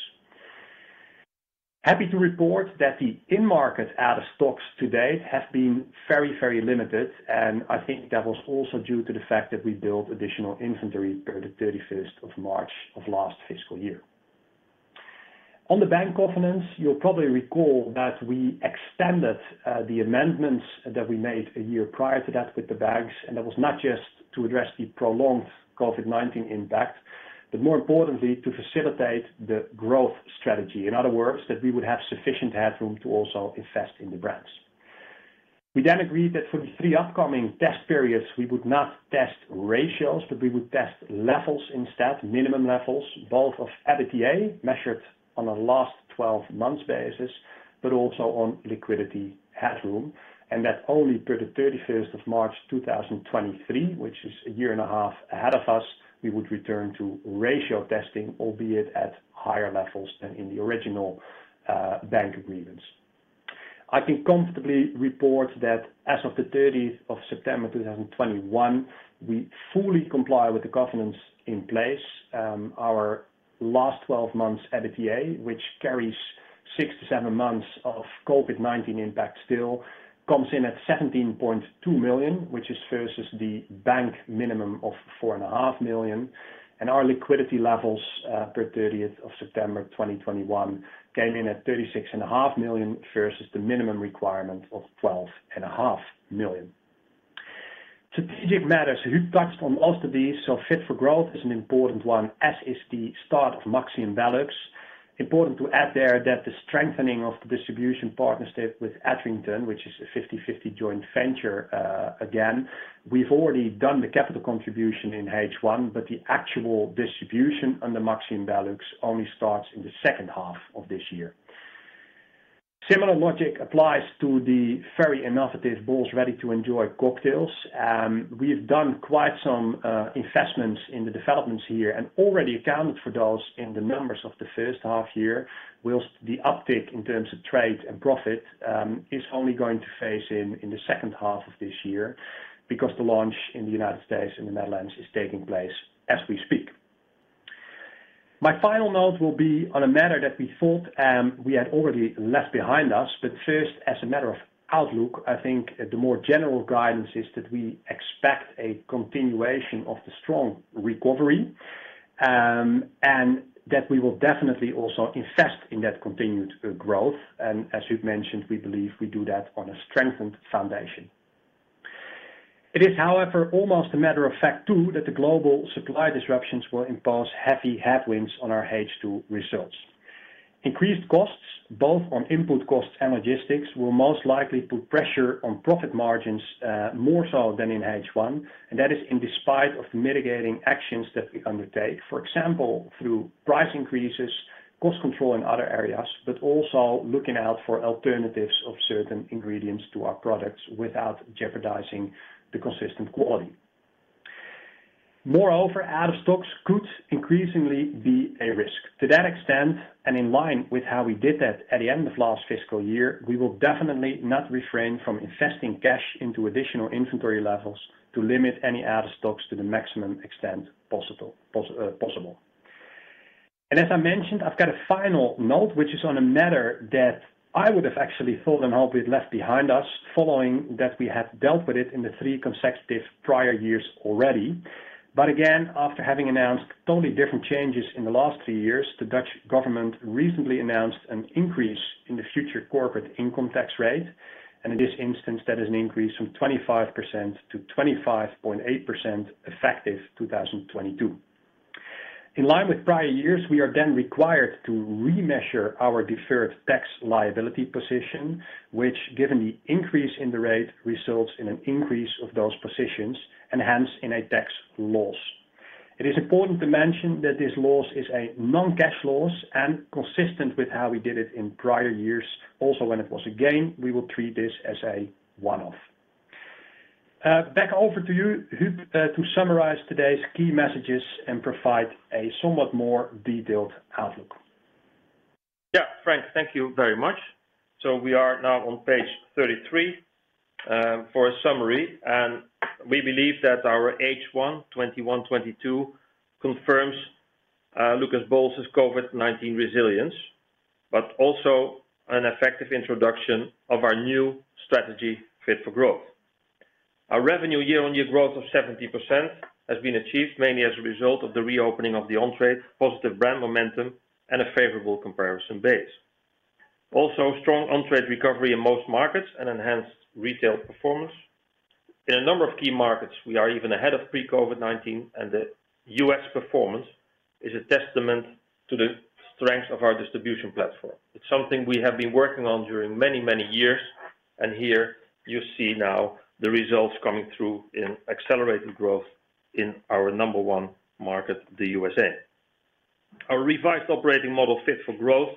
Happy to report that the in-market out-of-stocks to date have been very, very limited, and I think that was also due to the fact that we built additional inventory per the 31st of March of last fiscal year. On the bank governance, you'll probably recall that we extended the amendments that we made a year prior to that with the banks, and that was not just to address the prolonged COVID-19 impact, but more importantly, to facilitate the growth strategy. In other words, that we would have sufficient headroom to also invest in the brands. We then agreed that for the three upcoming test periods, we would not test ratios, but we would test levels instead, minimum levels, both of EBITDA, measured on a last 12 months basis, but also on liquidity headroom. That only per the 31st of March 2023, which is 1.5 years ahead of us, we would return to ratio testing, albeit at higher levels than in the original bank agreements. I can comfortably report that as of the 30th of September 2021, we fully comply with the governance in place. Our last 12 months EBITDA, which carries six to seven months of COVID-19 impact still comes in at 17.2 million, which is versus the bank minimum of 4.5 million. Our liquidity levels per 30th of September 2021 came in at 36.5 million versus the minimum requirement of 12.5 million. Strategic matters, Huub touched on most of these. Fit for Growth is an important one, as is the start of Maxxium BeLux. Important to add there that the strengthening of the distribution partnership with Edrington, which is a 50/50 joint venture, again, we've already done the capital contribution in H1, but the actual distribution under Maxxium BeLux only starts in the second half of this year. Similar logic applies to the very innovative Bols Ready-to-Enjoy Cocktails. We've done quite some investments in the developments here and already accounted for those in the numbers of the first half year. While the uptick in terms of trade and profit is only going to phase in the second half of this year because the launch in the United States and the Netherlands is taking place as we speak. My final note will be on a matter that we thought we had already left behind us. First, as a matter of outlook, I think the more general guidance is that we expect a continuation of the strong recovery, and that we will definitely also invest in that continued growth. As you've mentioned, we believe we do that on a strengthened foundation. It is, however, almost a matter of fact too, that the global supply disruptions will impose heavy headwinds on our H2 results. Increased costs, both on input costs and logistics, will most likely put pressure on profit margins, more so than in H1, and that is in spite of the mitigating actions that we undertake, for example, through price increases, cost control in other areas, but also looking out for alternatives of certain ingredients to our products without jeopardizing the consistent quality. Moreover, out of stocks could increasingly be a risk. To that extent, and in line with how we did that at the end of last fiscal year, we will definitely not refrain from investing cash into additional inventory levels to limit any out of stocks to the maximum extent possible. As I mentioned, I've got a final note, which is on a matter that I would have actually thought and hoped we'd left behind us following that we had dealt with it in the three consecutive prior years already. Again, after having announced totally different changes in the last three years, the Dutch government recently announced an increase in the future corporate income tax rate. In this instance, that is an increase from 25% to 25.8% effective 2022. In line with prior years, we are then required to remeasure our deferred tax liability position, which given the increase in the rate, results in an increase of those positions and hence in a tax loss. It is important to mention that this loss is a non-cash loss and consistent with how we did it in prior years. Also, when it was a gain, we will treat this as a one-off. Back over to you, Huub, to summarize today's key messages and provide a somewhat more detailed outlook. Yeah, Frank, thank you very much. We are now on page 33 for a summary. We believe that our H1 2021-2022 confirms Lucas Bols's COVID-19 resilience, but also an effective introduction of our new strategy, Fit for Growth. Our revenue year-on-year growth of 70% has been achieved mainly as a result of the reopening of the on-trade, positive brand momentum, and a favorable comparison base. Strong on-trade recovery in most markets and enhanced retail performance. In a number of key markets, we are even ahead of pre-COVID-19, and the U.S. performance is a testament to the strength of our distribution platform. It's something we have been working on during many, many years, and here you see now the results coming through in accelerated growth in our number one market, the U.S.A. Our revised operating model Fit for Growth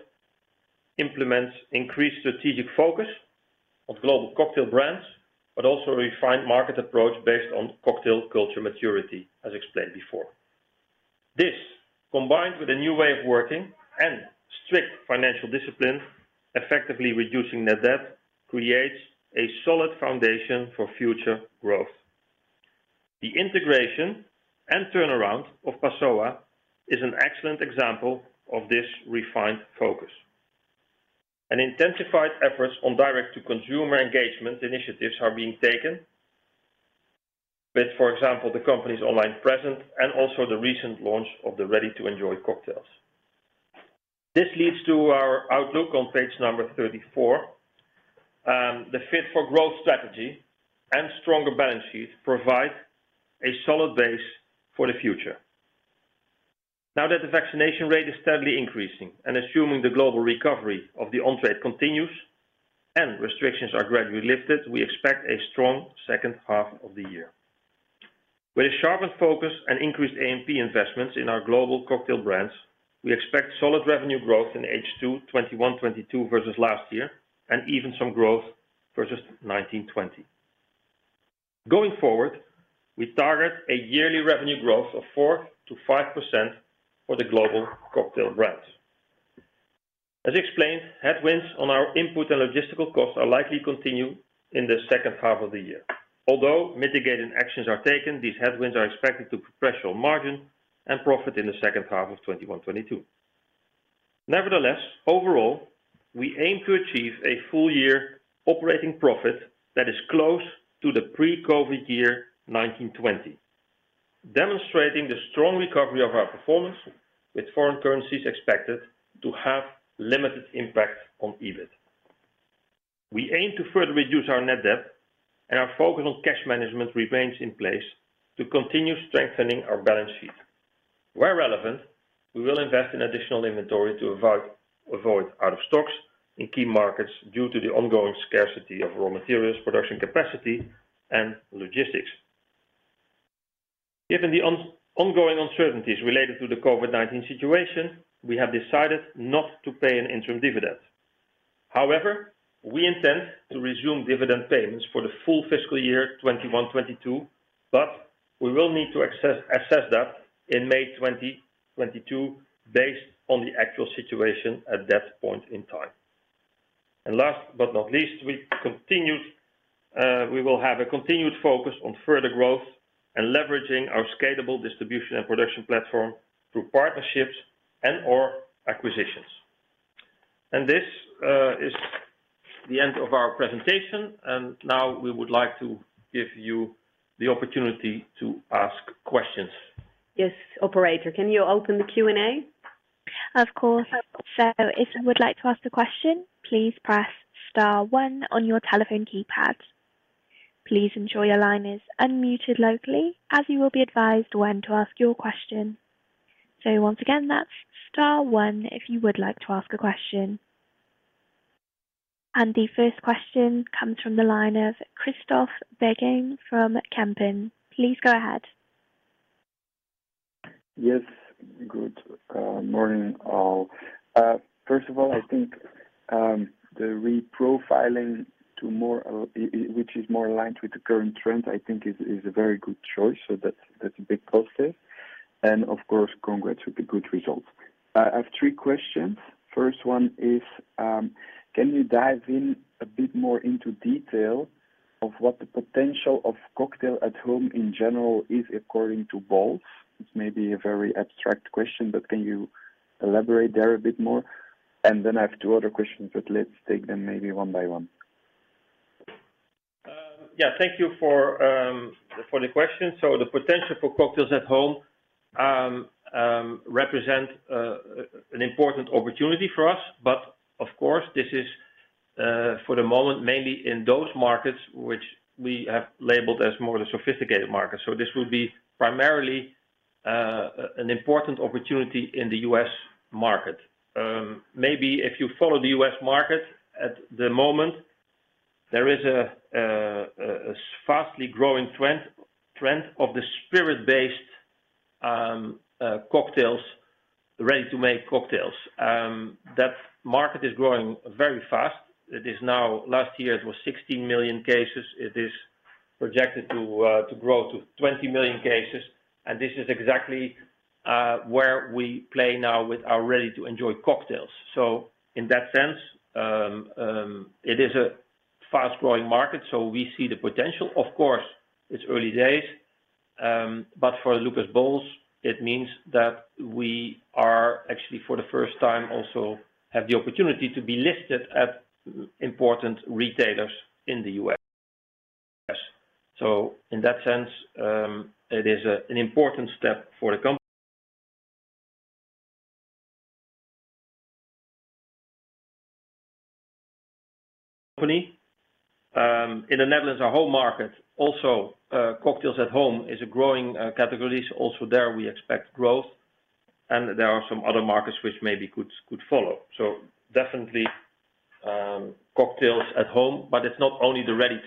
implements increased strategic focus of global cocktail brands, but also refined market approach based on cocktail culture maturity, as explained before. This, combined with a new way of working and strict financial discipline, effectively reducing net debt, creates a solid foundation for future growth. The integration and turnaround of Passoã is an excellent example of this refined focus. Intensified efforts on direct to consumer engagement initiatives are being taken with, for example, the company's online presence and also the recent launch of the Ready-to-Enjoy Cocktails. This leads to our outlook on page 34. The Fit for Growth strategy and stronger balance sheet provide a solid base for the future. Now that the vaccination rate is steadily increasing and assuming the global recovery of the on-trade continues and restrictions are gradually lifted, we expect a strong second half of the year. With a sharpened focus and increased A&P investments in our global cocktail brands, we expect solid revenue growth in H2 2021-2022 versus last year, and even some growth versus 2019-2020. Going forward, we target a yearly revenue growth of 4%-5% for the global cocktail brands. As explained, headwinds on our input and logistical costs are likely to continue in the second half of the year. Although mitigating actions are taken, these headwinds are expected to pressure margins and profit in the second half of 2021-2022. Nevertheless, overall, we aim to achieve a full year operating profit that is close to the pre-COVID year 2019-2020, demonstrating the strong recovery of our performance with foreign currencies expected to have limited impact on EBIT. We aim to further reduce our net debt, and our focus on cash management remains in place to continue strengthening our balance sheet. Where relevant, we will invest in additional inventory to avoid out of stocks in key markets due to the ongoing scarcity of raw materials, production capacity and logistics. Given the ongoing uncertainties related to the COVID-19 situation, we have decided not to pay an interim dividend. However, we intend to resume dividend payments for the full fiscal year 2021-2022, but we will need to assess that in May 2022 based on the actual situation at that point in time. Last but not least, we will have a continued focus on further growth and leveraging our scalable distribution and production platform through partnerships and or acquisitions. This is the end of our presentation, and now we would like to give you the opportunity to ask questions. Yes. Operator, can you open the Q&A? Of course. If you would like to ask a question, please press star one on your telephone keypad. Please ensure your line is unmuted locally as you will be advised when to ask your question. Once again, that's star one, if you would like to ask a question. The first question comes from the line of Christophe Beghin from Kempen. Please go ahead. Yes. Good morning, all. First of all, I think the reprofiling to more which is more aligned with the current trend, I think is a very good choice. That's a big positive. Of course, congrats with the good results. I have three questions. First one is, can you dive in a bit more into detail of what the potential of cocktail at home in general is according to Bols? It may be a very abstract question, but can you elaborate there a bit more? Then I have two other questions, but let's take them maybe one by one. Yeah. Thank you for the question. The potential for cocktails at home represent an important opportunity for us. Of course, this is for the moment, mainly in those markets which we have labeled as more sophisticated markets. This would be primarily an important opportunity in the U.S. market. Maybe if you follow the U.S. market at the moment, there is a fast-growing trend of the spirit-based Ready-to-Enjoy Cocktails. That market is growing very fast. Last year it was 16 million cases. It is projected to grow to 20 million cases, and this is exactly where we play now with our Ready-to-Enjoy Cocktails. In that sense, it is a fast-growing market, so we see the potential. Of course, it's early days, but for Lucas Bols, it means that we are actually for the first time also have the opportunity to be listed at important retailers in the U.S. In that sense, it is an important step for the company. In the Netherlands, our home market, also cocktails at home is a growing category. Also there we expect growth. There are some other markets which maybe could follow. Definitely, cocktails at home, but it's not only the ready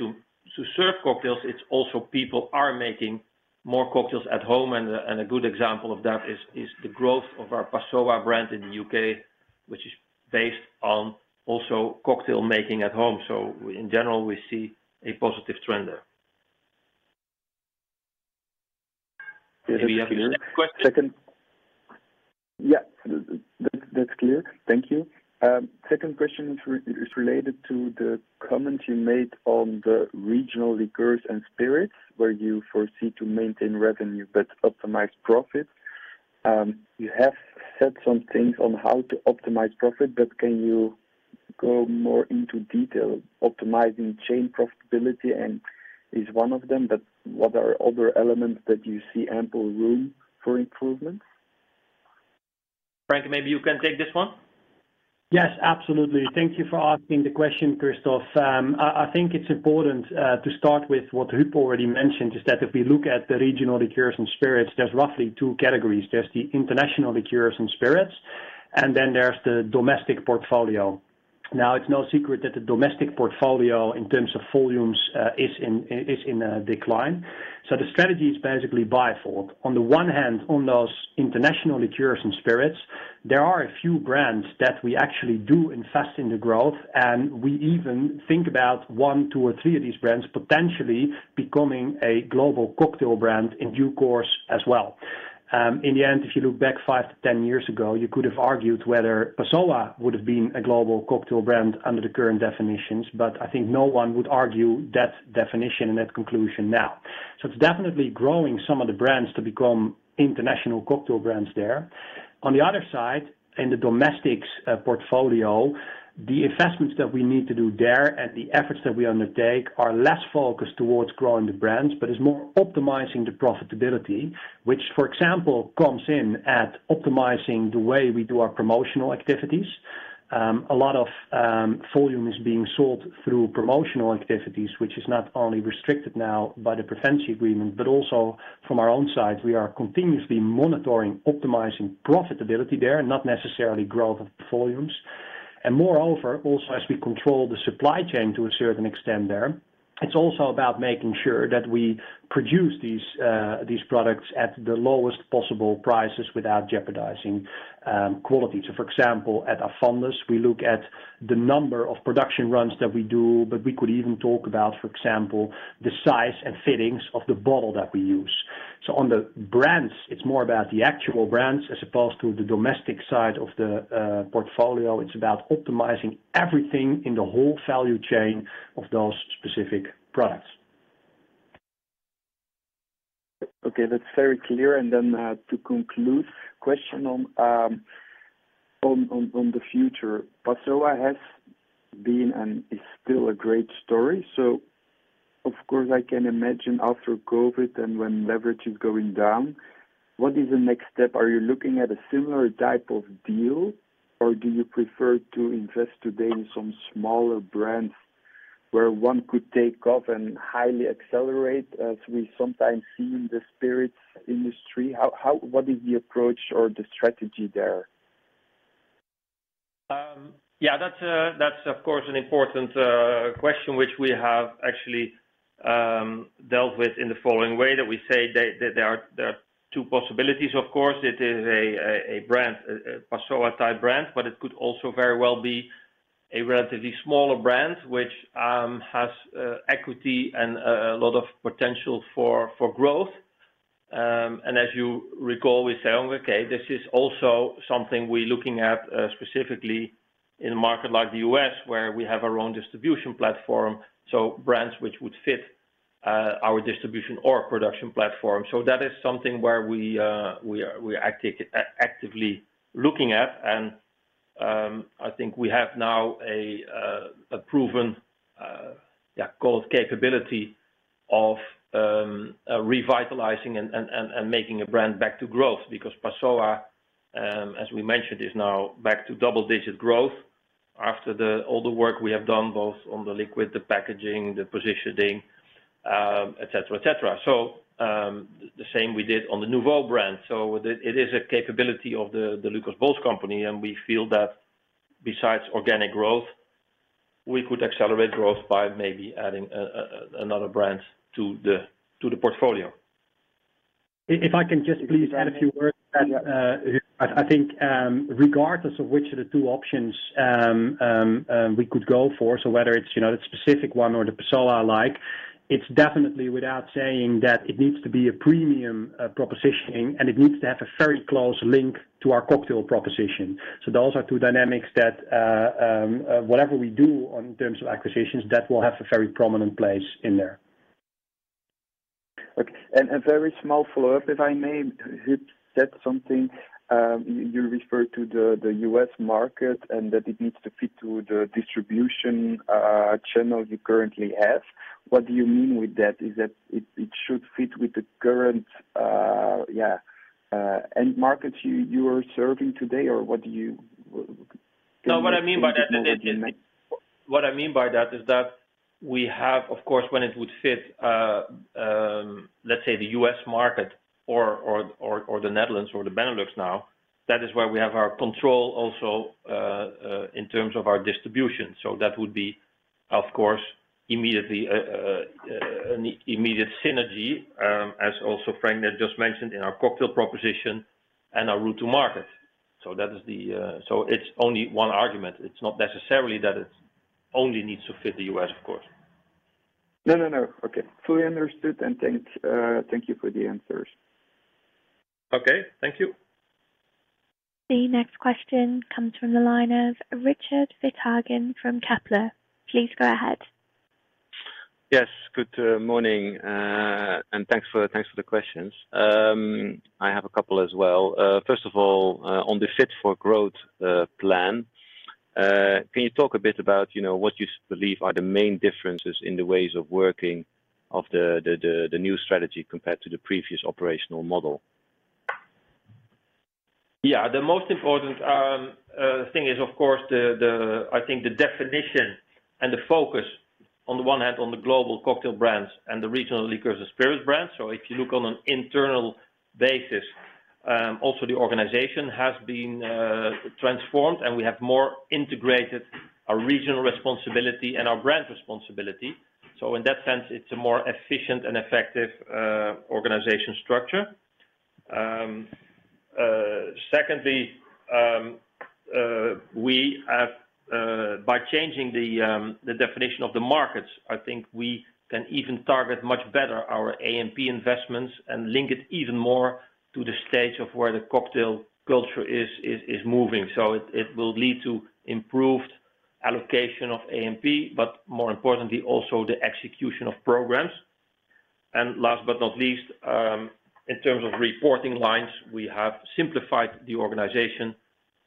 to serve cocktails, it's also people are making more cocktails at home. A good example of that is the growth of our Passoã brand in the U.K., which is also based on cocktail making at home. In general, we see a positive trend there. Yes, that's clear. Maybe you have a next question. Second. Yeah, that's clear. Thank you. Second question is related to the comment you made on the regional liquors and spirits, where you foresee to maintain revenue but optimize profits. You have said some things on how to optimize profit, but can you go more into detail? Optimizing chain profitability and is one of them, but what are other elements that you see ample room for improvements? Frank, maybe you can take this one. Yes, absolutely. Thank you for asking the question, Christophe. I think it's important to start with what Huub already mentioned, is that if we look at the regional liquors and spirits, there's roughly two categories. There's the international liquors and spirits, and then there's the domestic portfolio. Now, it's no secret that the domestic portfolio in terms of volumes is in decline. So the strategy is basically bi-fold. On the one hand, on those international liquors and spirits, there are a few brands that we actually do invest in the growth, and we even think about one, two, or three of these brands potentially becoming a global cocktail brand in due course as well. In the end, if you look back five to 10 years ago, you could have argued whether Passoã would have been a global cocktail brand under the current definitions. I think no one would argue that definition and that conclusion now. It's definitely growing some of the brands to become international cocktail brands there. On the other side, in the domestic portfolio, the investments that we need to do there and the efforts that we undertake are less focused towards growing the brands, but is more optimizing the profitability, which, for example, comes in at optimizing the way we do our promotional activities. A lot of volume is being sold through promotional activities, which is not only restricted now by the Prevention Agreement, but also from our own side, we are continuously monitoring, optimizing profitability there, and not necessarily growth of volumes. Moreover, also as we control the supply chain to a certain extent there, it's also about making sure that we produce these products at the lowest possible prices without jeopardizing quality. For example, at our founders, we look at the number of production runs that we do, but we could even talk about, for example, the size and fittings of the bottle that we use. On the brands, it's more about the actual brands as opposed to the domestic side of the portfolio. It's about optimizing everything in the whole value chain of those specific products. Okay, that's very clear. To conclude, question on the future. Passoã has been and is still a great story. Of course, I can imagine after COVID and when leverage is going down, what is the next step? Are you looking at a similar type of deal, or do you prefer to invest today in some smaller brands where one could take off and highly accelerate as we sometimes see in the spirits industry? What is the approach or the strategy there? Yeah, that's of course an important question which we have actually dealt with in the following way that we say that there are two possibilities, of course. It is a brand, Passoã type brand, but it could also very well be a relatively smaller brand which has equity and a lot of potential for growth. As you recall, we say, okay, this is also something we're looking at, specifically in a market like the U.S., where we have our own distribution platform, so brands which would fit our distribution or production platform. That is something where we are actively looking at. I think we have now a proven growth capability of revitalizing and making a brand back to growth because Passoã, as we mentioned, is now back to double-digit growth after all the work we have done, both on the liquid, the packaging, the positioning, etc. The same we did on the Nuvo brand. It is a capability of the Lucas Bols company, and we feel that besides organic growth, we could accelerate growth by maybe adding another brand to the portfolio. If I can just please add a few words. I think, regardless of which of the two options we could go for, whether it's, you know, the specific one or the Passoã-like, it's definitely without saying that it needs to be a premium proposition, and it needs to have a very close link to our cocktail proposition. Those are two dynamics that whatever we do in terms of acquisitions, that will have a very prominent place in there. Okay. A very small follow-up, if I may. Is that something you referred to the U.S. market and that it needs to fit to the distribution channel you currently have. What do you mean with that? Is that it should fit with the current end markets you are serving today or what do you...? No, what I mean by that is that we have, of course, when it would fit, let's say the U.S. market or the Netherlands or the BeNeLux now, that is where we have our control also in terms of our distribution. That would be, of course, immediate synergy, as also Frank just mentioned in our cocktail proposition and our route to market. It's only one argument. It's not necessarily that it only needs to fit the U.S., of course. No, no. Okay. Fully understood and thanks. Thank you for the answers. Okay. Thank you. The next question comes from the line of Richard Withagen from Kepler. Please go ahead. Yes. Good morning. Thanks for the questions. I have a couple as well. First of all, on the Fit for Growth plan, can you talk a bit about, you know, what you believe are the main differences in the ways of working of the new strategy compared to the previous operational model? Yeah. The most important thing is, of course, I think the definition and the focus on the one hand on the global cocktail brands and the regional liquors and spirits brands. If you look on an internal basis, also the organization has been transformed, and we have more integrated our regional responsibility and our brand responsibility. In that sense, it's a more efficient and effective organization structure. Secondly, we have, by changing the definition of the markets, I think we can even target much better our A&P investments and link it even more to the stage of where the cocktail culture is moving. It will lead to improved allocation of A&P, but more importantly also the execution of programs. Last but not least, in terms of reporting lines, we have simplified the organization,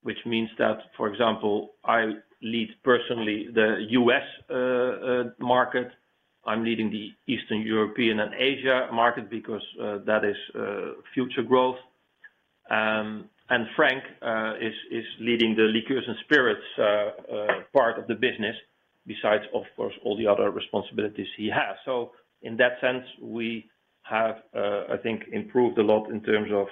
which means that, for example, I lead personally the U.S. market. I'm leading the Eastern European and Asia market because that is future growth. Frank is leading the liqueurs and spirits part of the business besides, of course, all the other responsibilities he has. In that sense, we have, I think, improved a lot in terms of,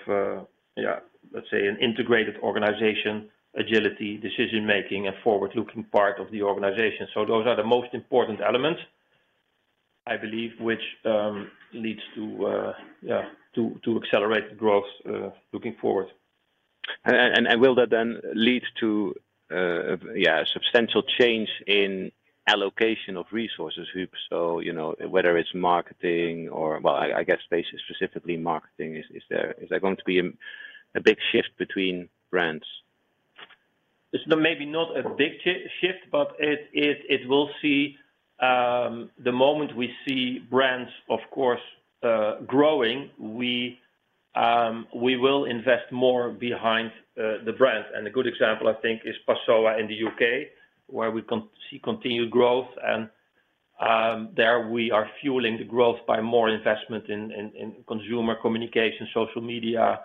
let's say, an integrated organization, agility, decision-making, and forward-looking part of the organization. Those are the most important elements, I believe, which leads to accelerate growth looking forward. Will that then lead to a substantial change in allocation of resources, Huub? You know, whether it's marketing or well, I guess, basically, specifically marketing, is there going to be a big shift between brands? It's maybe not a big shift, but it will be the moment we see brands, of course, growing, we will invest more behind the brands. A good example, I think, is Passoã in the U.K., where we can see continued growth. There we are fueling the growth by more investment in consumer communication, social media,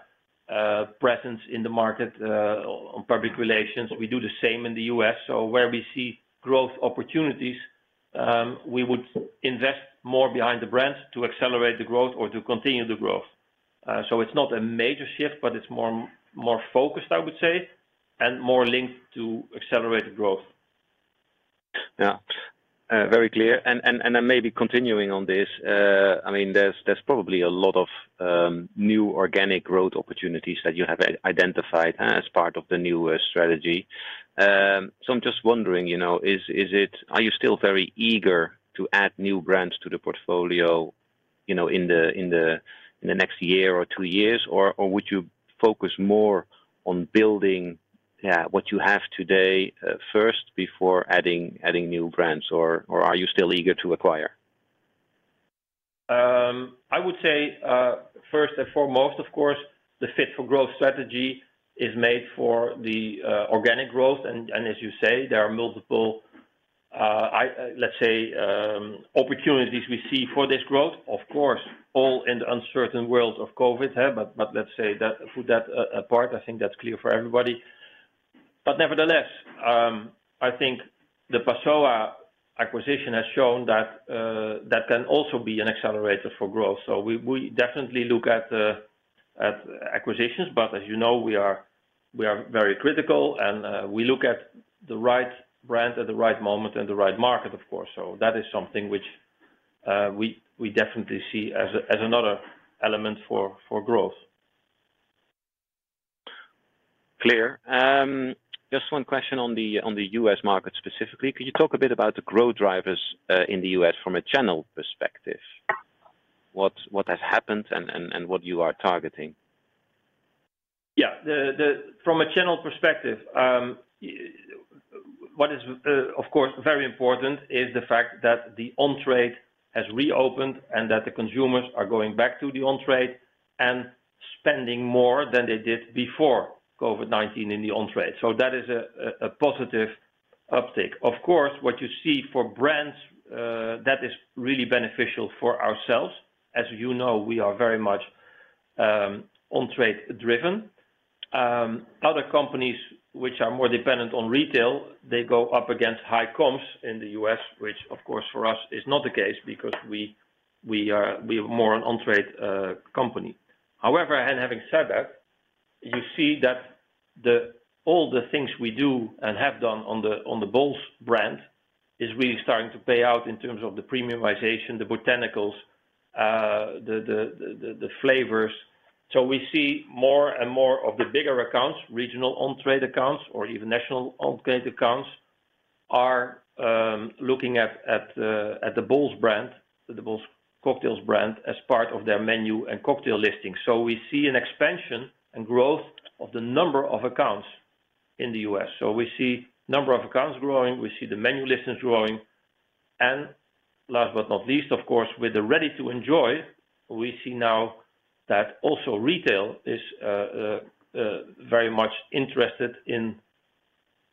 presence in the market, on public relations. We do the same in the U.S. Where we see growth opportunities, we would invest more behind the brands to accelerate the growth or to continue the growth. It's not a major shift, but it's more focused, I would say, and more linked to accelerated growth. Yeah. Very clear. Maybe continuing on this, I mean, there's probably a lot of new organic growth opportunities that you have identified as part of the new strategy. I'm just wondering, you know, is it? Are you still very eager to add new brands to the portfolio, you know, in the next year or two years? Would you focus more on building what you have today first before adding new brands? Are you still eager to acquire? I would say, first and foremost, of course, the Fit for Growth strategy is made for the organic growth. As you say, there are multiple, let's say, opportunities we see for this growth. Of course, all in the uncertain world of COVID. Let's say that, put that apart. I think that's clear for everybody. Nevertheless, I think the Passoã acquisition has shown that that can also be an accelerator for growth. We definitely look at acquisitions. As you know, we are very critical and we look at the right brand at the right moment and the right market, of course. That is something which we definitely see as another element for growth. Clear. Just one question on the U.S. market specifically. Could you talk a bit about the growth drivers in the U.S. from a channel perspective? What has happened and what you are targeting? Yeah. From a channel perspective, what is, of course, very important is the fact that the on-trade has reopened and that the consumers are going back to the on-trade and spending more than they did before COVID-19 in the on-trade. That is a positive uptick. Of course, what you see for brands that is really beneficial for ourselves. As you know, we are very much on-trade driven. Other companies which are more dependent on retail, they go up against high comps in the U.S., which of course for us is not the case because we are more an on-trade company. However, having said that, you see that all the things we do and have done on the Bols brand is really starting to pay out in terms of the premiumization, the botanicals, the flavors. We see more and more of the bigger accounts, regional on-trade accounts or even national on-trade accounts are looking at the Bols brand, the Bols Cocktails brand, as part of their menu and cocktail listing. We see an expansion and growth of the number of accounts in the U.S. We see number of accounts growing, we see the menu listings growing. Last but not least, of course, with the ready-to-enjoy, we see now that also retail is very much interested in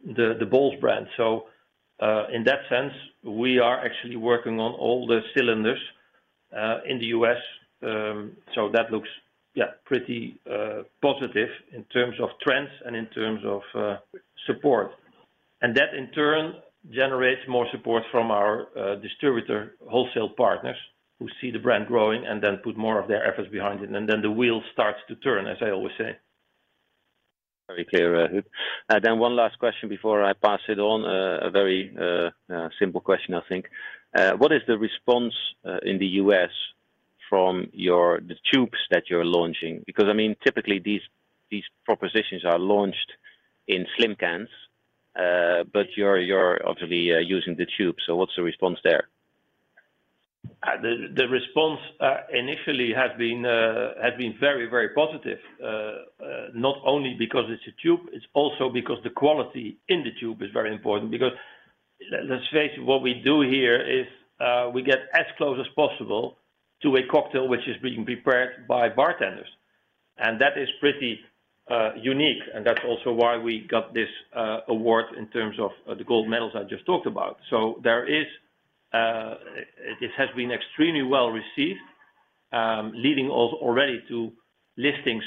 the Bols brand. In that sense, we are actually working on all the cylinders in the U.S. That looks, yeah, pretty positive in terms of trends and in terms of support. That, in turn, generates more support from our distributor wholesale partners who see the brand growing and then put more of their efforts behind it. Then the wheel starts to turn, as I always say. Very clear, Huub. One last question before I pass it on. A very simple question, I think. What is the response in the U.S. to the tubes that you're launching? Because, I mean, typically, these propositions are launched in slim cans, but you're obviously using the tube. What's the response there? The response initially has been very, very positive. Not only because it's a tube, it's also because the quality in the tube is very important. Let's face it, what we do here is we get as close as possible to a cocktail which is being prepared by bartenders, and that is pretty unique, and that's also why we got this award in terms of the gold medals I just talked about. It has been extremely well received, leading us already to listings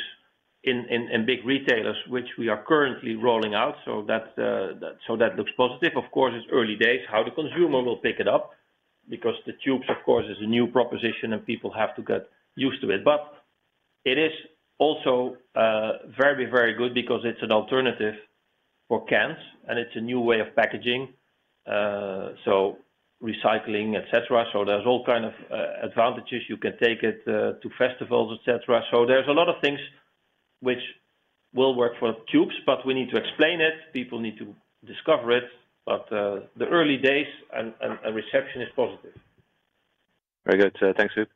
in big retailers which we are currently rolling out. That looks positive. Of course, it's early days how the consumer will pick it up because the tubes, of course, is a new proposition and people have to get used to it. It is also very good because it's an alternative for cans, and it's a new way of packaging, so recycling, et cetera. There's all kind of advantages. You can take it to festivals, et cetera. There's a lot of things which will work for tubes, but we need to explain it. People need to discover it. The early days and reception is positive. Very good. Thanks, Huub.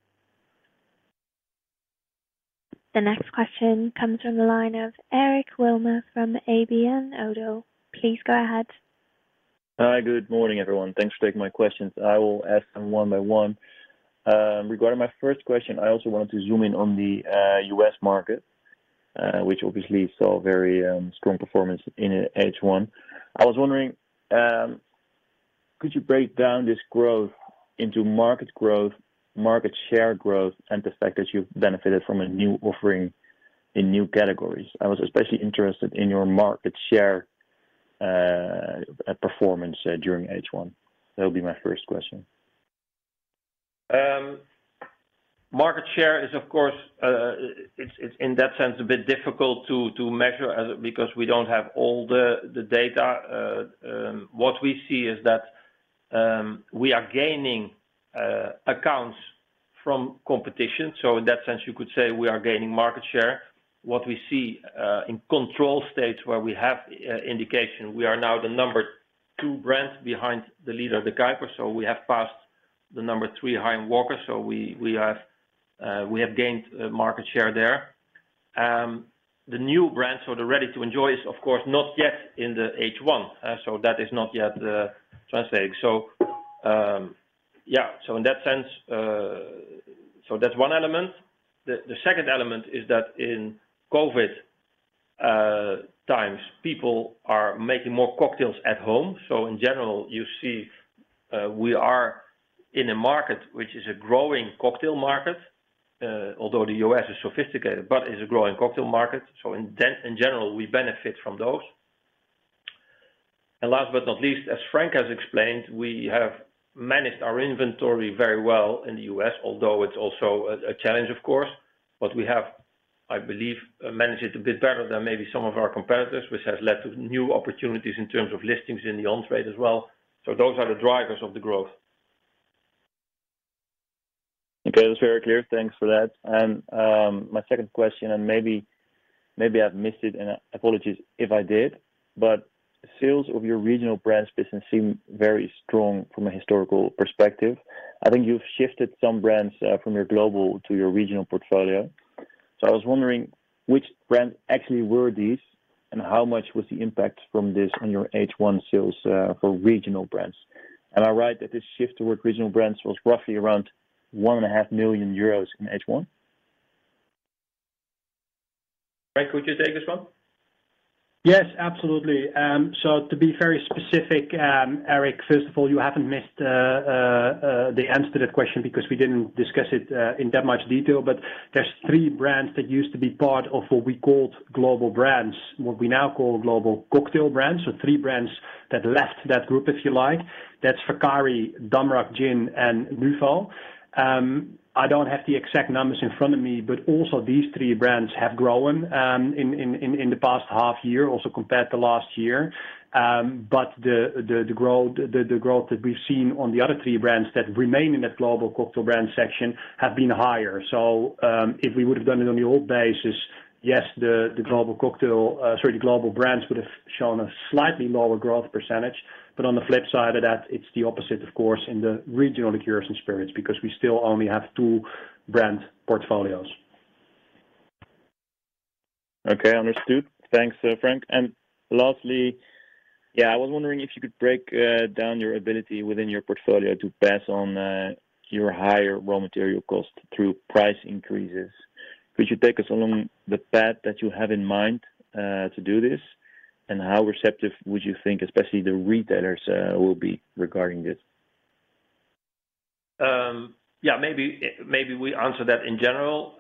The next question comes from the line of Eric Wilmer from ABN AMRO. Please go ahead. Hi. Good morning, everyone. Thanks for taking my questions. I will ask them one by one. Regarding my first question, I also wanted to zoom in on the U.S. market, which obviously saw very strong performance in H1. I was wondering, could you break down this growth into market growth, market share growth, and the fact that you benefited from a new offering in new categories? I was especially interested in your market share performance during H1. That'll be my first question. Market share is of course, it's in that sense, a bit difficult to measure because we don't have all the data. What we see is that we are gaining accounts from competition. In that sense, you could say we are gaining market share. What we see in control states where we have indication, we are now the number two brand behind the leader, De Kuyper. We have passed the number three, Hiram Walker. We have gained market share there. The new brand, the Ready-to-Enjoy is of course not yet in the H1. That is not yet translating. Yeah. In that sense, that's one element. The second element is that in COVID times, people are making more cocktails at home. In general, you see, we are in a market which is a growing cocktail market, although the U.S. is sophisticated, but is a growing cocktail market. In general, we benefit from those. Last but not least, as Frank has explained, we have managed our inventory very well in the U.S., although it's also a challenge, of course. We have, I believe, managed it a bit better than maybe some of our competitors, which has led to new opportunities in terms of listings in the on-trade as well. Those are the drivers of the growth. Okay. That's very clear. Thanks for that. My second question, and maybe I've missed it, and apologies if I did, but sales of your regional brands business seem very strong from a historical perspective. I think you've shifted some brands from your global to your regional portfolio. I was wondering which brands actually were these, and how much was the impact from this on your H1 sales for regional brands. Am I right that this shift toward regional brands was roughly around 1.5 million euros in H1? Frank, would you take this one? Yes, absolutely. To be very specific, Eric, first of all, you haven't missed the answer to that question because we didn't discuss it in that much detail. There's three brands that used to be part of what we called global brands, what we now call global cocktail brands. Three brands that left that group, if you like. That's Vaccari, Damrak Gin, and Nuvo. I don't have the exact numbers in front of me, but also these three brands have grown in the past half year, also compared to last year. The growth that we've seen on the other three brands that remain in that global cocktail brand section have been higher. If we would have done it on the old basis, yes, the global brands would have shown a slightly lower growth percentage. On the flip side of that, it's the opposite, of course, in the regional liqueurs and spirits, because we still only have two brand portfolios. Okay. Understood. Thanks, Frank. Lastly, yeah, I was wondering if you could break down your ability within your portfolio to pass on your higher raw material cost through price increases. Could you take us along the path that you have in mind to do this? How receptive would you think, especially the retailers, will be regarding this? Yeah, maybe we answer that in general.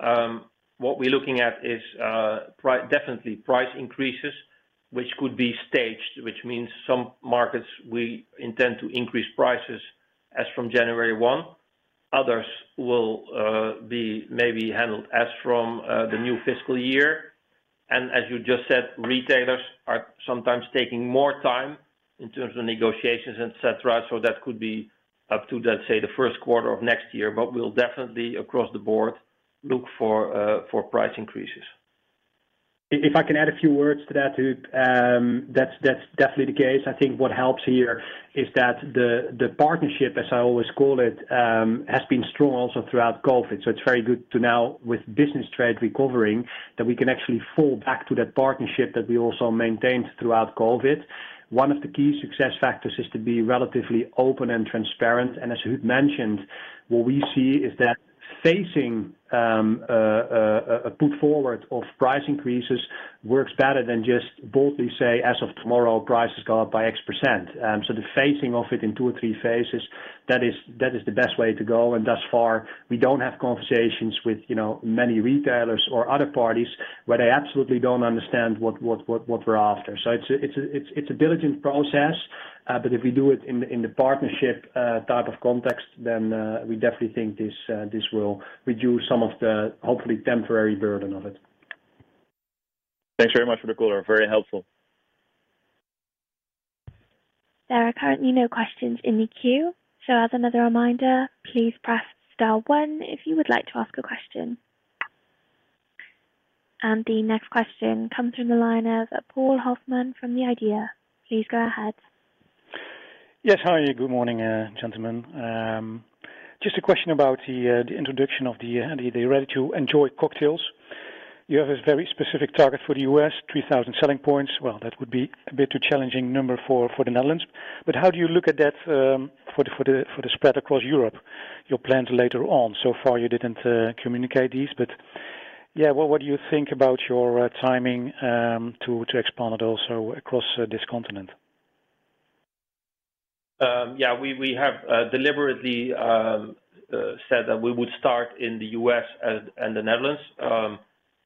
What we're looking at is definitely price increases, which could be staged, which means some markets we intend to increase prices as from January 1. Others will be maybe handled as from the new fiscal year. As you just said, retailers are sometimes taking more time in terms of negotiations, et cetera. That could be up to, let's say, the first quarter of next year. We'll definitely across the board look for price increases. If I can add a few words to that, Huub. That's definitely the case. I think what helps here is that the partnership, as I always call it, has been strong also throughout COVID. It's very good now with on-trade recovering, that we can actually fall back to that partnership that we also maintained throughout COVID. One of the key success factors is to be relatively open and transparent. As Huub mentioned, what we see is that phasing, putting forward of price increases works better than just boldly say, as of tomorrow, prices go up by X%. The phasing of it in two or three phases, that is the best way to go. Thus far, we don't have conversations with, you know, many retailers or other parties where they absolutely don't understand what we're after. It's a diligent process, but if we do it in the partnership type of context, then we definitely think this will reduce some of the hopefully temporary burden of it. Thanks very much for the color. Very helpful. There are currently no questions in the queue. As another reminder, please press star one if you would like to ask a question. The next question comes from the line of Paul Hofman from the IDEA! Please go ahead. Yes. Hi. Good morning, gentlemen. Just a question about the introduction of the Ready-to-Enjoy Cocktails. You have a very specific target for the U.S., 3,000 selling points. Well, that would be a bit too challenging number for the Netherlands. How do you look at that for the spread across Europe, your plans later on? So far, you didn't communicate these, but yeah. What do you think about your timing to expand it also across this continent? Yeah. We have deliberately said that we would start in the U.S. and the Netherlands.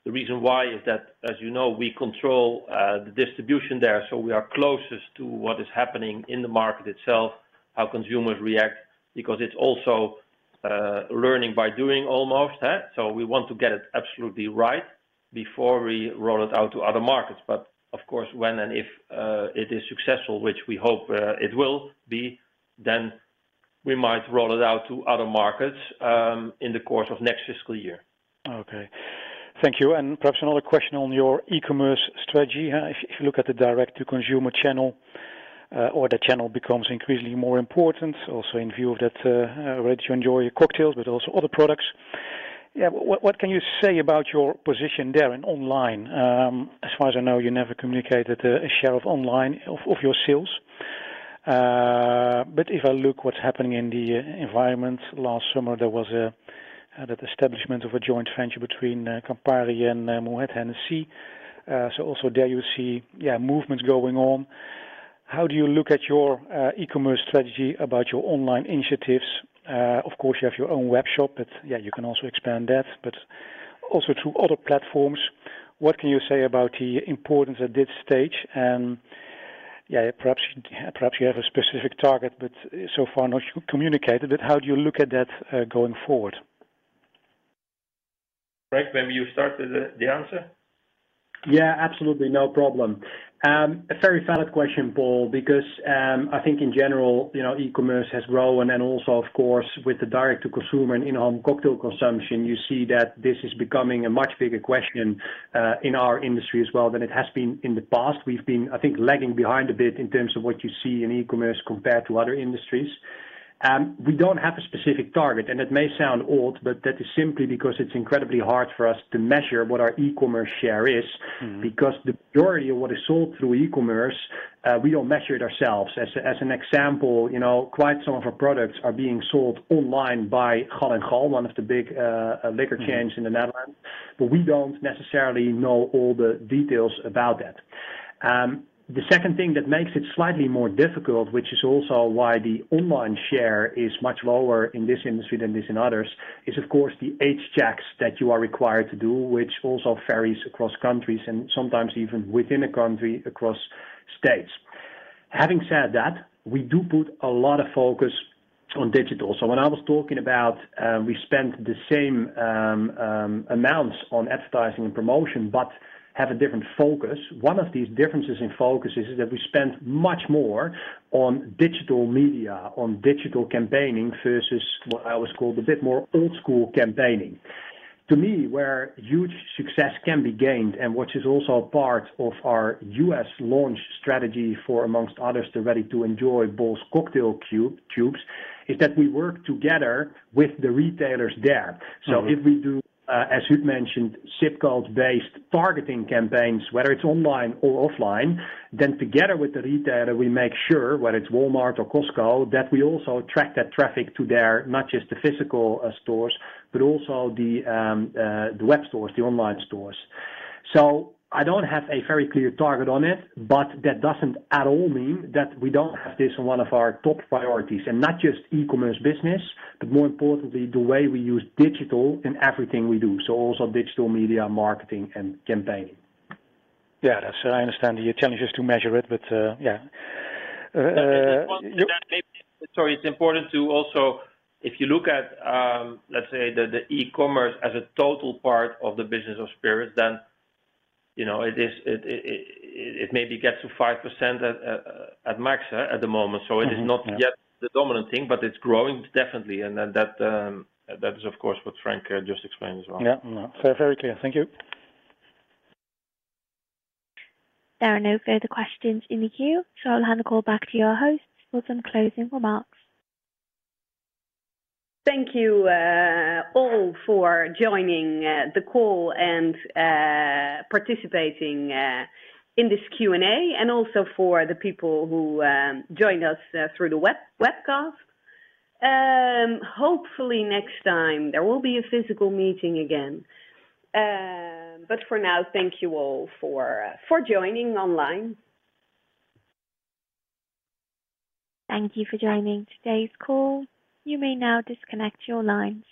The reason why is that, as you know, we control the distribution there. We are closest to what is happening in the market itself, how consumers react, because it's also learning by doing almost. We want to get it absolutely right before we roll it out to other markets. Of course, when and if it is successful, which we hope it will be, then we might roll it out to other markets in the course of next fiscal year. Okay. Thank you. Perhaps another question on your e-commerce strategy. If you look at the direct to consumer channel, or the channel becomes increasingly more important also in view of that, Ready-to-Enjoy Cocktails, but also other products. What can you say about your position there in online? As far as I know, you never communicated a share of online of your sales. But if I look what's happening in the environment, last summer, there was a that establishment of a joint venture between Campari and Moët Hennessy. So also there you see movements going on. How do you look at your e-commerce strategy about your online initiatives? Of course you have your own web shop, but you can also expand that, but also through other platforms. What can you say about the importance at this stage? Yeah, perhaps you have a specific target, but so far not communicated it. How do you look at that, going forward? Frank, maybe you start with the answer. Yeah, absolutely. No problem. A very valid question, Paul, because I think in general, you know, e-commerce has grown. Then also, of course, with the direct to consumer and in-home cocktail consumption, you see that this is becoming a much bigger question, in our industry as well than it has been in the past. We've been, I think, lagging behind a bit in terms of what you see in e-commerce compared to other industries. We don't have a specific target, and it may sound odd, but that is simply because it's incredibly hard for us to measure what our e-commerce share is. Mm-hmm. Because the majority of what is sold through e-commerce, we don't measure it ourselves. As an example, you know, quite some of our products are being sold online by Gall & Gall, one of the big liquor chains in the Netherlands, but we don't necessarily know all the details about that. The second thing that makes it slightly more difficult, which is also why the online share is much lower in this industry than it is in others, is of course the age checks that you are required to do, which also varies across countries and sometimes even within a country across states. Having said that, we do put a lot of focus on digital. When I was talking about we spent the same amounts on advertising and promotion but have a different focus. One of these differences in focus is that we spend much more on digital media, on digital campaigning versus what I always called a bit more old school campaigning. To me, where huge success can be gained and which is also part of our U.S. launch strategy for among others, the Ready-to-Enjoy Bols Cocktail cubes, tubes, is that we work together with the retailers there. Mm-hmm. If we do, as you've mentioned, zip code-based targeting campaigns, whether it's online or offline, then together with the retailer, we make sure, whether it's Walmart or Costco, that we also attract that traffic to their, not just the physical stores, but also the web stores, the online stores. I don't have a very clear target on it, but that doesn't at all mean that we don't have this in one of our top priorities, and not just e-commerce business, but more importantly, the way we use digital in everything we do. Also digital media, marketing, and campaigning. Yeah. That's, I understand the challenge is to measure it, but yeah. It's important to also, if you look at, let's say the e-commerce as a total part of the business of spirits, then, you know, it maybe gets to 5% at max, at the moment. Mm-hmm. Yeah. It is not yet the dominant thing, but it's growing definitely. Then that is of course what Frank just explained as well. Yeah. No. Very clear. Thank you. There are no further questions in the queue, so I'll hand the call back to your host for some closing remarks. Thank you all for joining the call and participating in this Q&A, and also for the people who joined us through the webcast. Hopefully next time there will be a physical meeting again. For now, thank you all for joining online. Thank you for joining today's call. You may now disconnect your lines.